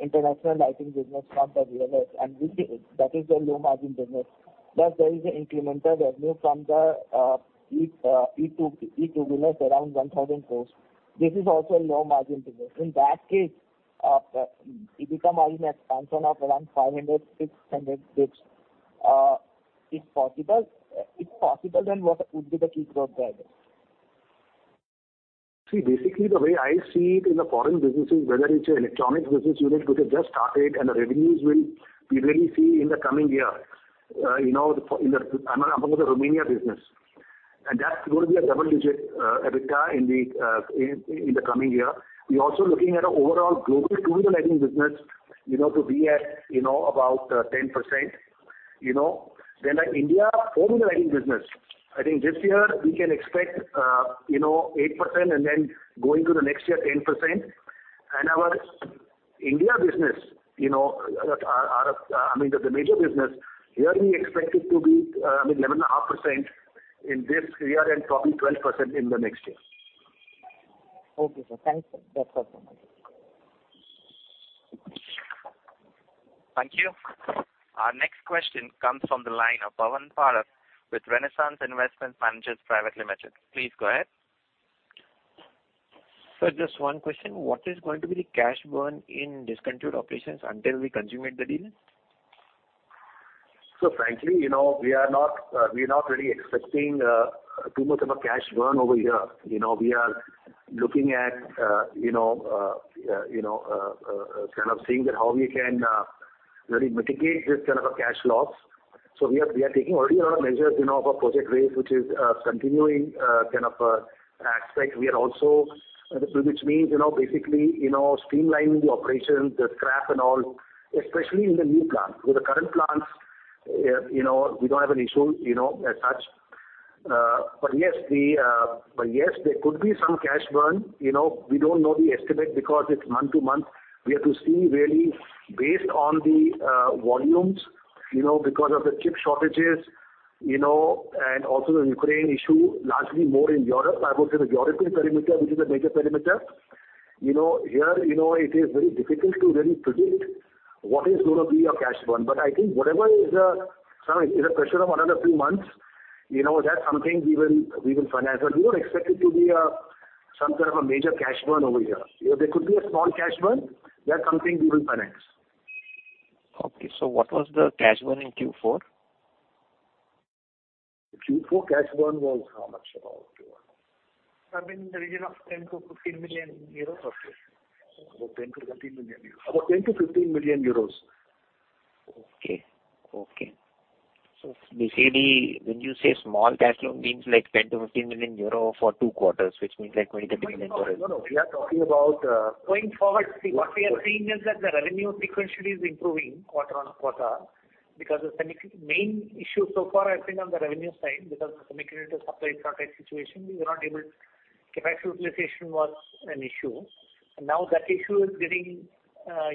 international lighting business from the VLS, and we see that is a low margin business. Plus there is a incremental revenue from the e-two wheelers around 1,000 crore. This is also a low margin business. In that case, EBITDA margin expansion of around 500-600 basis points is possible. If possible, then what would be the key growth drivers? See, basically the way I see it in the foreign businesses, whether it's your electronics business unit, which has just started and the revenues will be really seen in the coming year, you know, I'm talking the Romania business, and that's going to be a double-digit EBITDA in the coming year. We're also looking at an overall global two-wheeler lighting business, you know, to be at, you know, about 10%, you know. The India four-wheeler lighting business, I think this year we can expect, you know, 8% and then going to the next year, 10%. Our India business, you know, our, I mean, the major business, here we expect it to be, I mean, 11.5% in this year and probably 12% in the next year. Okay, sir. Thanks, sir. That's all from my side. Thank you. Our next question comes from the line of Pawan Parakh with Renaissance Investment Managers Private Limited. Please go ahead. Sir, just one question. What is going to be the cash burn in discontinued operations until we consummate the deal? Frankly, you know, we are not really expecting too much of a cash burn over here. You know, we are looking at, you know, kind of seeing that how we can really mitigate this kind of a cash loss. We are taking already a lot of measures, you know, of Project Grail, which is continuing kind of a aspect. Which means, you know, basically, you know, streamlining the operations, the scrap and all, especially in the new plant. With the current plants, you know, we don't have an issue, you know, as such. But yes, there could be some cash burn. You know, we don't know the estimate because it's month to month. We have to see really based on the volumes, you know, because of the chip shortages, you know, and also the Ukraine issue, largely more in Europe. I would say the European perimeter, which is a major perimeter. You know, here, you know, it is very difficult to really predict what is gonna be our cash burn. I think whatever it is, it's a question of another few months, you know, that's something we will finance. We don't expect it to be some kind of a major cash burn over here. There could be a small cash burn or something we will finance. Okay. What was the cash burn in Q4? Q4 cash burn was how much about, Kumar? I mean, in the region of 10 million-15 million euros. About 10 million-15 million euros. Basically, when you say small cash flow means like 10-15 million euros for two quarters, which means like EUR 20-30 million. No, no, we are talking about, Going forward, what we are seeing is that the revenue sequentially is improving quarter on quarter because the main issue so far has been on the revenue side because the semiconductor supply shortage situation. Capacity utilization was an issue. Now that issue is getting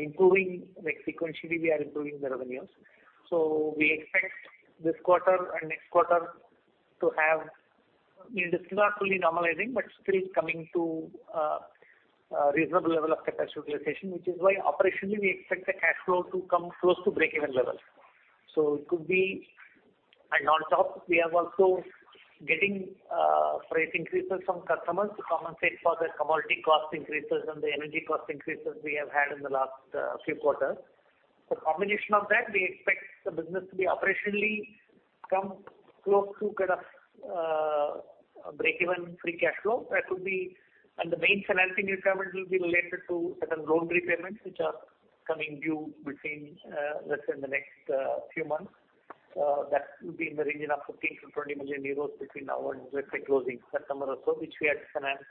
improving, like, sequentially, we are improving the revenues. We expect this quarter and next quarter. I mean, this is not fully normalizing, but still it's coming to a reasonable level of capacity utilization, which is why operationally we expect the cash flow to come close to break-even levels. It could be. On top, we are also getting price increases from customers to compensate for the commodity cost increases and the energy cost increases we have had in the last few quarters. The combination of that, we expect the business to be operationally come close to kind of break-even free cash flow. That would be. The main financing requirement will be related to certain loan repayments, which are coming due between, let's say, in the next few months. That would be in the region of 15 million-20 million euros between now and let's say closing September or so, which we had to finance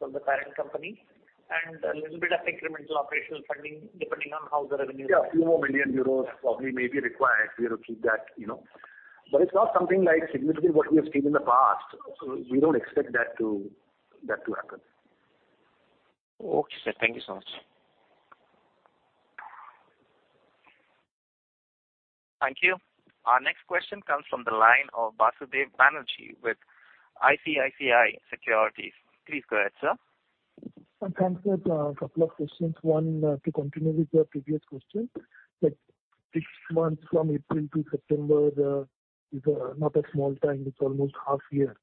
from the parent company. A little bit of incremental operational funding, depending on how the revenue- Yeah, a few more million EUR probably may be required. We have to keep that, you know. It's not something like significantly what we have seen in the past. We don't expect that to happen. Okay, sir. Thank you so much. Thank you. Our next question comes from the line of Basudeb Banerjee with ICICI Securities. Please go ahead, sir. Thanks, sir. A couple of questions. One, to continue with the previous question. That six months from April to September, not a small time, it's almost half year.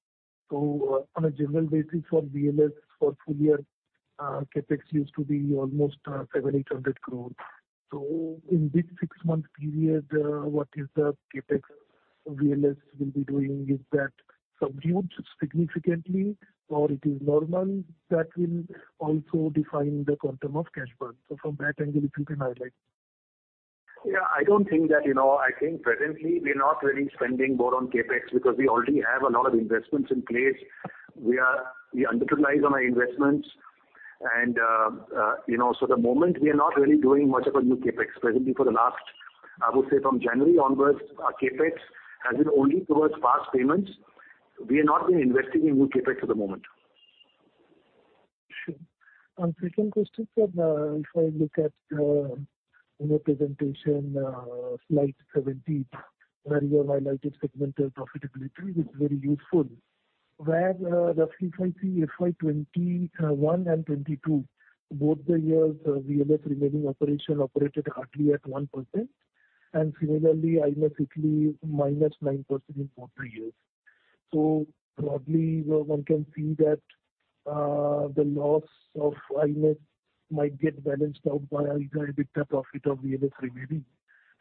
So on a general basis for VLS for full year, CapEx used to be almost 700-800 crore. So in this six-month period, what is the CapEx VLS will be doing? Is that subdued significantly or it is normal that will also define the quantum of cash burn? So from that angle, if you can highlight. Yeah, I don't think that, you know. I think presently we're not really spending more on CapEx because we already have a lot of investments in place. We utilize on our investments and, you know, so the moment we are not really doing much of a new CapEx. Presently for the last, I would say from January onwards, our CapEx has been only towards past payments. We are not really investing in new CapEx at the moment. Sure. Second question, sir. If I look at in your presentation slide 17, where you have highlighted segmental profitability, it's very useful. Where roughly FY 2021 and 2022, both the years, VLS remaining operation operated hardly at 1%. And similarly, IMES Italy -9% in both the years. So broadly, one can see that the loss of IMES might get balanced out by either EBITDA profit of VLS remaining,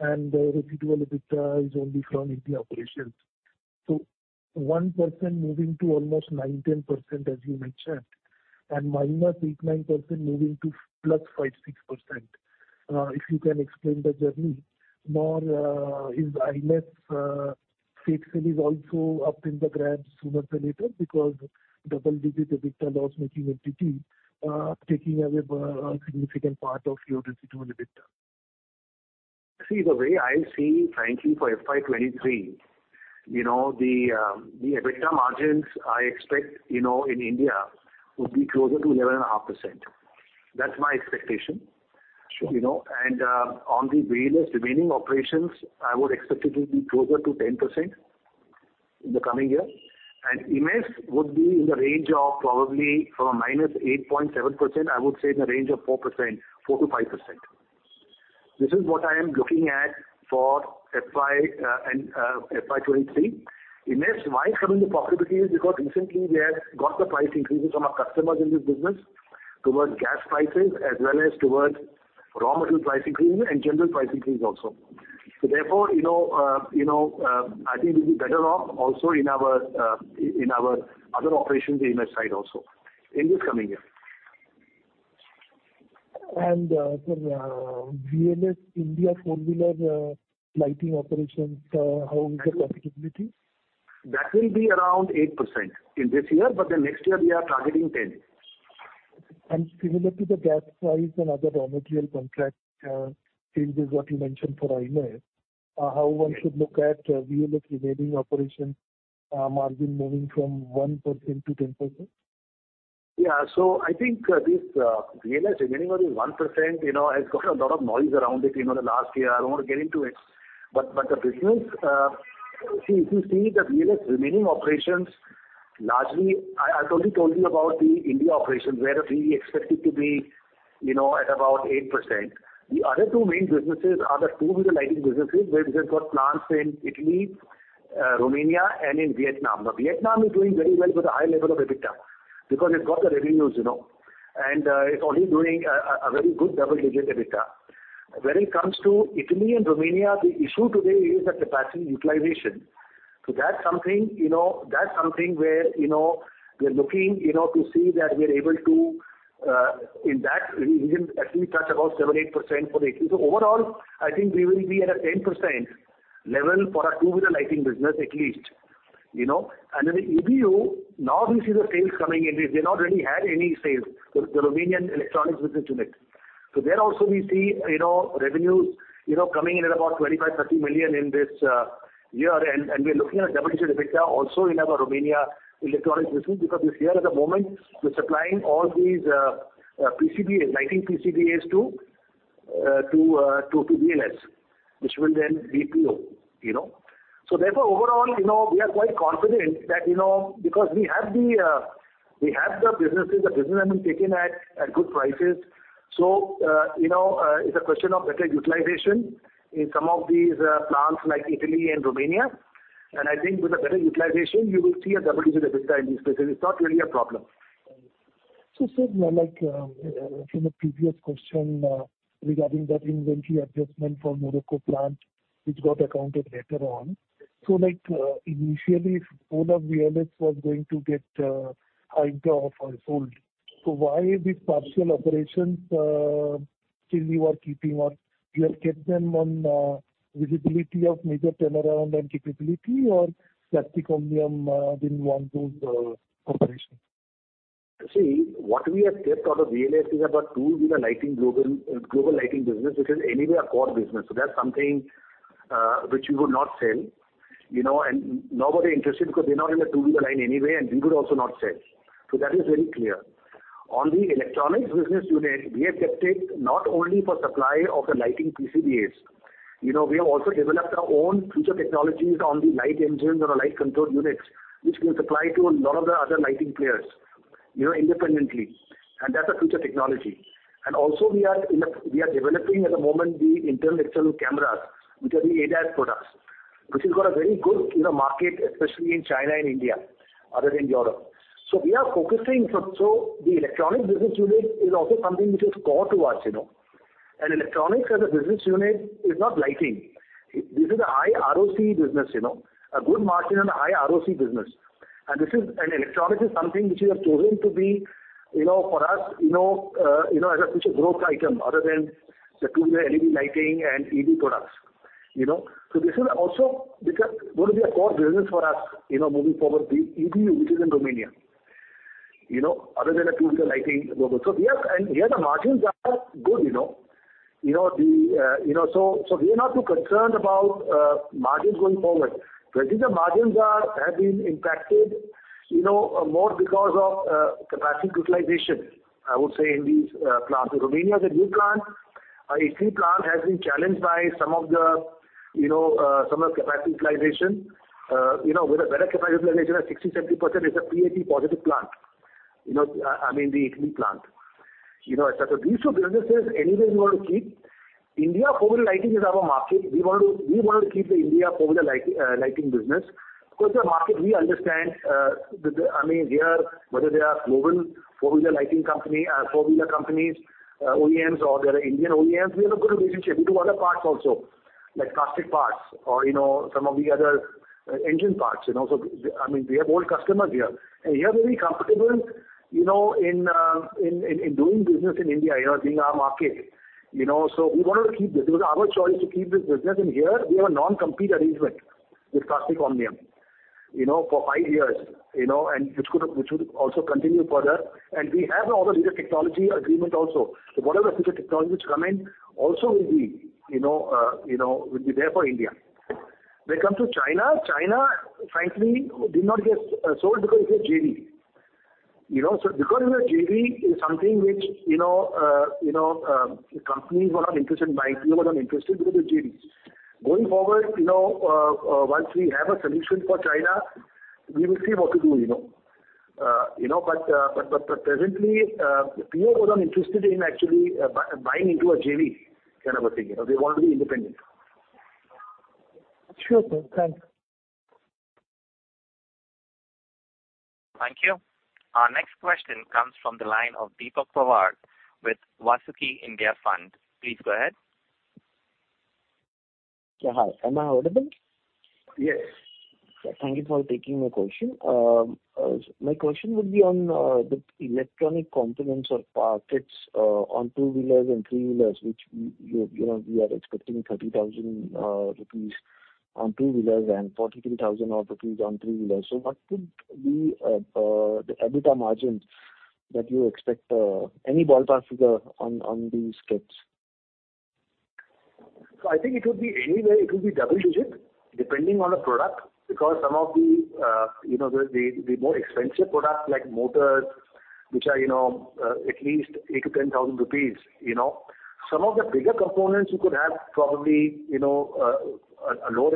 and the residual EBITDA is only from India operations. So 1% moving to almost 9%-10%, as you mentioned, and -8%-9% moving to +5%-6%. If you can explain the journey. More, is IMES fixing also up and running sooner rather than later because double-digit EBITDA loss making entity taking away a significant part of your residual EBITDA. See, the way I see, frankly, for FY 2023, you know, the EBITDA margins I expect, you know, in India would be closer to 11.5%. That's my expectation. Sure. You know, on the VLS remaining operations, I would expect it to be closer to 10% in the coming year. IMES would be in the range of probably from a -8.7%, I would say in the range of 4%, 4%-5%. This is what I am looking at for FY and FY 2023. IMES, why it's coming to profitability is because recently we have got the price increases from our customers in this business towards gas prices as well as towards raw material price increase and general price increase also. Therefore, you know, I think we'll be better off also in our other operations IMES side also in this coming year. Sir, VLS India four-wheeler lighting operations, how is the profitability? That will be around 8% in this year, but then next year we are targeting 10%. Similar to the gas price and other raw material contract changes what you mentioned for IMES, how one should look at VLS remaining operation margin moving from 1%-10%? I think this VLS remaining only 1%, you know, has got a lot of noise around it, you know, in the last year. I don't want to get into it. The business, if you see the VLS remaining operations, largely I've only told you about the India operations where we expect it to be, you know, at about 8%. The other two main businesses are the two-wheeler lighting businesses, where we have got plants in Italy, Romania, and in Vietnam. Vietnam is doing very well with a high level of EBITDA because it's got the revenues, you know, and it's already doing a very good double-digit EBITDA. When it comes to Italy and Romania, the issue today is the capacity utilization. That's something where, you know, we're looking, you know, to see that we are able to in that region at least touch about 7%-8% for the EBITDA. Overall, I think we will be at a 10% level for our two-wheeler lighting business, at least, you know. And then the EBU, now we see the sales coming in. We've not really had any sales, the Varroc Electronics Romania. There also we see, you know, revenues, you know, coming in at about 25-30 million in this year. And we're looking at a double-digit EBITDA also in our Varroc Electronics Romania because this year at the moment, we're supplying all these PCBAs, lighting PCBAs to VLS, which will then BPO, you know. Therefore overall, you know, we are quite confident that, you know, because we have the businesses, the business has been taken at good prices. You know, it's a question of better utilization in some of these plants like Italy and Romania. I think with a better utilization, you will see a double-digit EBITDA in these businesses. It's not really a problem. Sir, now like, from the previous question, regarding that inventory adjustment for Morocco plant which got accounted later on. Like, initially all of VLS was going to get, either off or sold. Why these partial operations, still you are keeping or you have kept them on, visibility of major turnaround and capability or Plastic Omnium, didn't want those, operations? See, what we have kept out of VLS is about two-wheeler lighting global lighting business, which is anyway our core business. That's something, which we would not sell, you know, and nobody interested because they're not in the two-wheeler line anyway, and we could also not sell. That is very clear. On the electronics business unit, we have kept it not only for supply of the lighting PCBA. You know, we have also developed our own future technologies on the light engines or the light control units, which we will supply to a lot of the other lighting players, you know, independently, and that's a future technology. Also we are developing at the moment the internal external cameras, which are the ADAS products, which has got a very good, you know, market, especially in China and India, other than Europe. The electronics business unit is also something which is core to us, you know. Electronics as a business unit is not lighting. This is a high ROC business, you know. A good margin and a high ROC business. Electronics is something which we have chosen to be, you know, for us, you know, as a future growth item other than the two-wheeler LED lighting and EV products, you know. This is also going to be a core business for us, you know, moving forward, the EBU, which is in Romania, you know, other than the two-wheeler lighting global. Here the margins are good, you know. We are not too concerned about margins going forward. I think the margins have been impacted, you know, more because of capacity utilization, I would say, in these plants. Romania is a new plant. Our Italy plant has been challenged by some of capacity utilization. You know, with a better capacity utilization at 60%-70% is a PAT positive plant. You know, I mean, the Italy plant, you know, et cetera. These two businesses anyway we want to keep. India four-wheeler lighting is our market. We want to keep the India four-wheeler lighting business. Of course, the market we understand, I mean, here whether they are global four-wheeler lighting company, four-wheeler companies, OEMs or there are Indian OEMs, we have a good relationship. We do other parts also, like plastic parts or, you know, some of the other, engine parts, you know. I mean, we have old customers here. Here they're very comfortable, you know, in doing business in India, you know, it's in our market. You know, we wanted to keep this. It was our choice to keep this business. Here we have a non-compete arrangement with Plastic Omnium, you know, for five years, you know, and which would also continue further. We have all the latest technology agreement also. Whatever future technologies come in also will be, you know, will be there for India. When it comes to China frankly did not get sold because it's a JV. You know, because it was a JV, it's something which, you know, companies were not interested in buying, people were not interested because it's JV. Going forward, you know, once we have a solution for China, we will see what to do, you know. You know, but presently, people were not interested in actually buying into a JV kind of a thing. You know, they want to be independent. Sure thing. Thanks. Thank you. Our next question comes from the line of Deepak Pawar with Vasuki India Fund. Please go ahead. Yes. Thank you for taking my question. My question would be on the electronic components or parts on two-wheelers and three-wheelers, which, you know, we are expecting 30,000 rupees on two-wheelers and 43,000 rupees odd on three-wheelers. What could be the EBITDA margins that you expect, any ballpark figure on these kits? I think it would be double-digit depending on the product because some of the more expensive products like motors, which are at least 8-10 thousand rupees. Some of the bigger components you could have probably a lower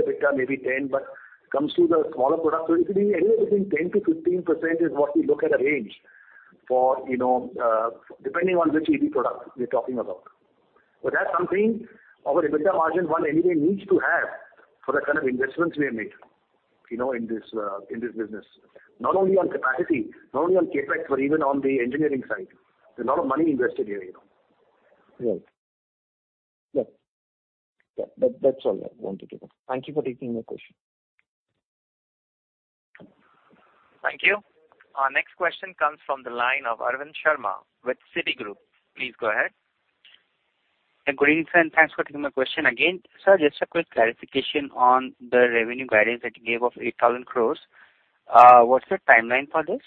EBITDA, maybe 10%, but it comes to the smaller product. It could be anywhere between 10%-15% is what we look at as a range for, depending on which EV product we're talking about. But that's something our EBITDA margin anyway needs to have for the kind of investments we have made in this business, not only on capacity, not only on CapEx, but even on the engineering side. There's a lot of money invested here. Right. Yes. Yeah. That, that's all I wanted to know. Thank you for taking my question. Thank you. Our next question comes from the line of Arvind Sharma with Citigroup. Please go ahead. Greetings, and thanks for taking my question again. Sir, just a quick clarification on the revenue guidance that you gave of 8,000 crores. What's the timeline for this?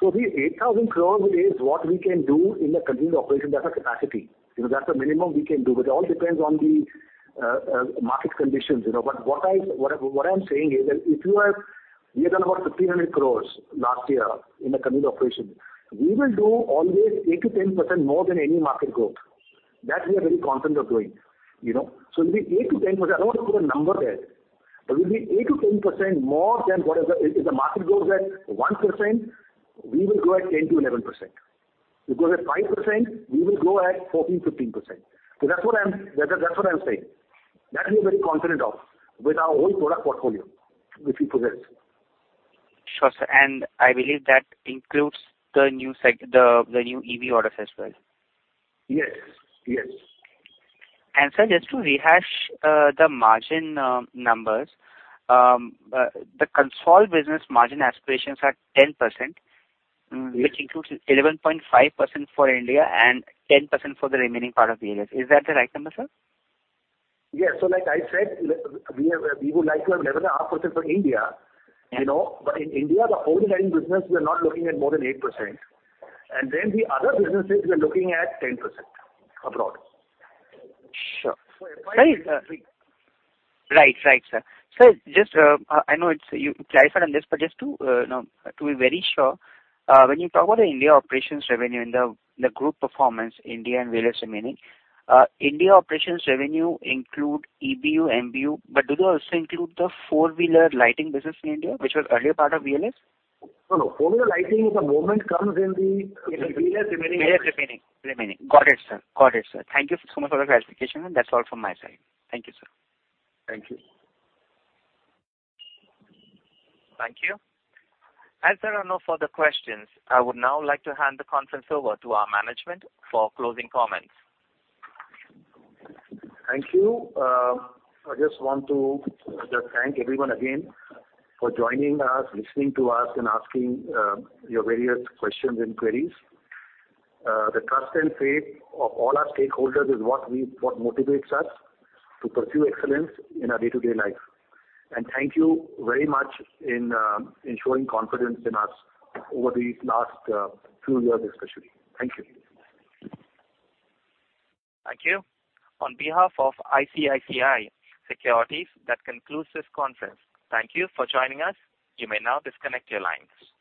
The 8,000 crore is what we can do in the continued operation. That's our capacity. You know, that's the minimum we can do. But it all depends on the market conditions, you know. But what I'm saying is that we have done about 1,500 crores last year in the continued operation. We will do always 8%-10% more than any market growth. That we are very confident of doing, you know. It'll be 8%-10%. I don't want to put a number there, but it'll be 8%-10% more than whatever the. If the market grows at 1%, we will grow at 10%-11%. It grows at 5%, we will grow at 14-15%. That's what I'm saying. That we're very confident of with our whole product portfolio which we possess. Sure, sir. I believe that includes the new EV orders as well. Yes. Yes. Sir, just to rehash, the margin numbers, the Consol business margin aspirations are 10%. Yes. Which includes 11.5% for India and 10% for the remaining part of the VLS. Is that the right number, sir? Yes. Like I said, we have, we would like to have 11.5% for India, you know. In India, the only line of business we are not looking at more than 8%. Then the other businesses, we are looking at 10% abroad. Sure. So if I- Right, sir. Just, I know you clarified on this, but just to know, to be very sure, when you talk about the India operations revenue in the group performance, India and VLS remaining India operations revenue include EBU, MBU, but do they also include the four-wheeler lighting business in India, which was earlier part of VLS? No, no. Four-wheeler lighting at the moment comes in the VLS remaining. VLS remaining. Got it, sir. Thank you so much for the clarification. That's all from my side. Thank you, sir. Thank you. Thank you. As there are no further questions, I would now like to hand the conference over to our management for closing comments. Thank you. I just want to just thank everyone again for joining us, listening to us, and asking your various questions and queries. The trust and faith of all our stakeholders is what motivates us to pursue excellence in our day-to-day life. Thank you very much in showing confidence in us over these last few years especially. Thank you. Thank you. On behalf of ICICI Securities, that concludes this conference. Thank you for joining us. You may now disconnect your lines.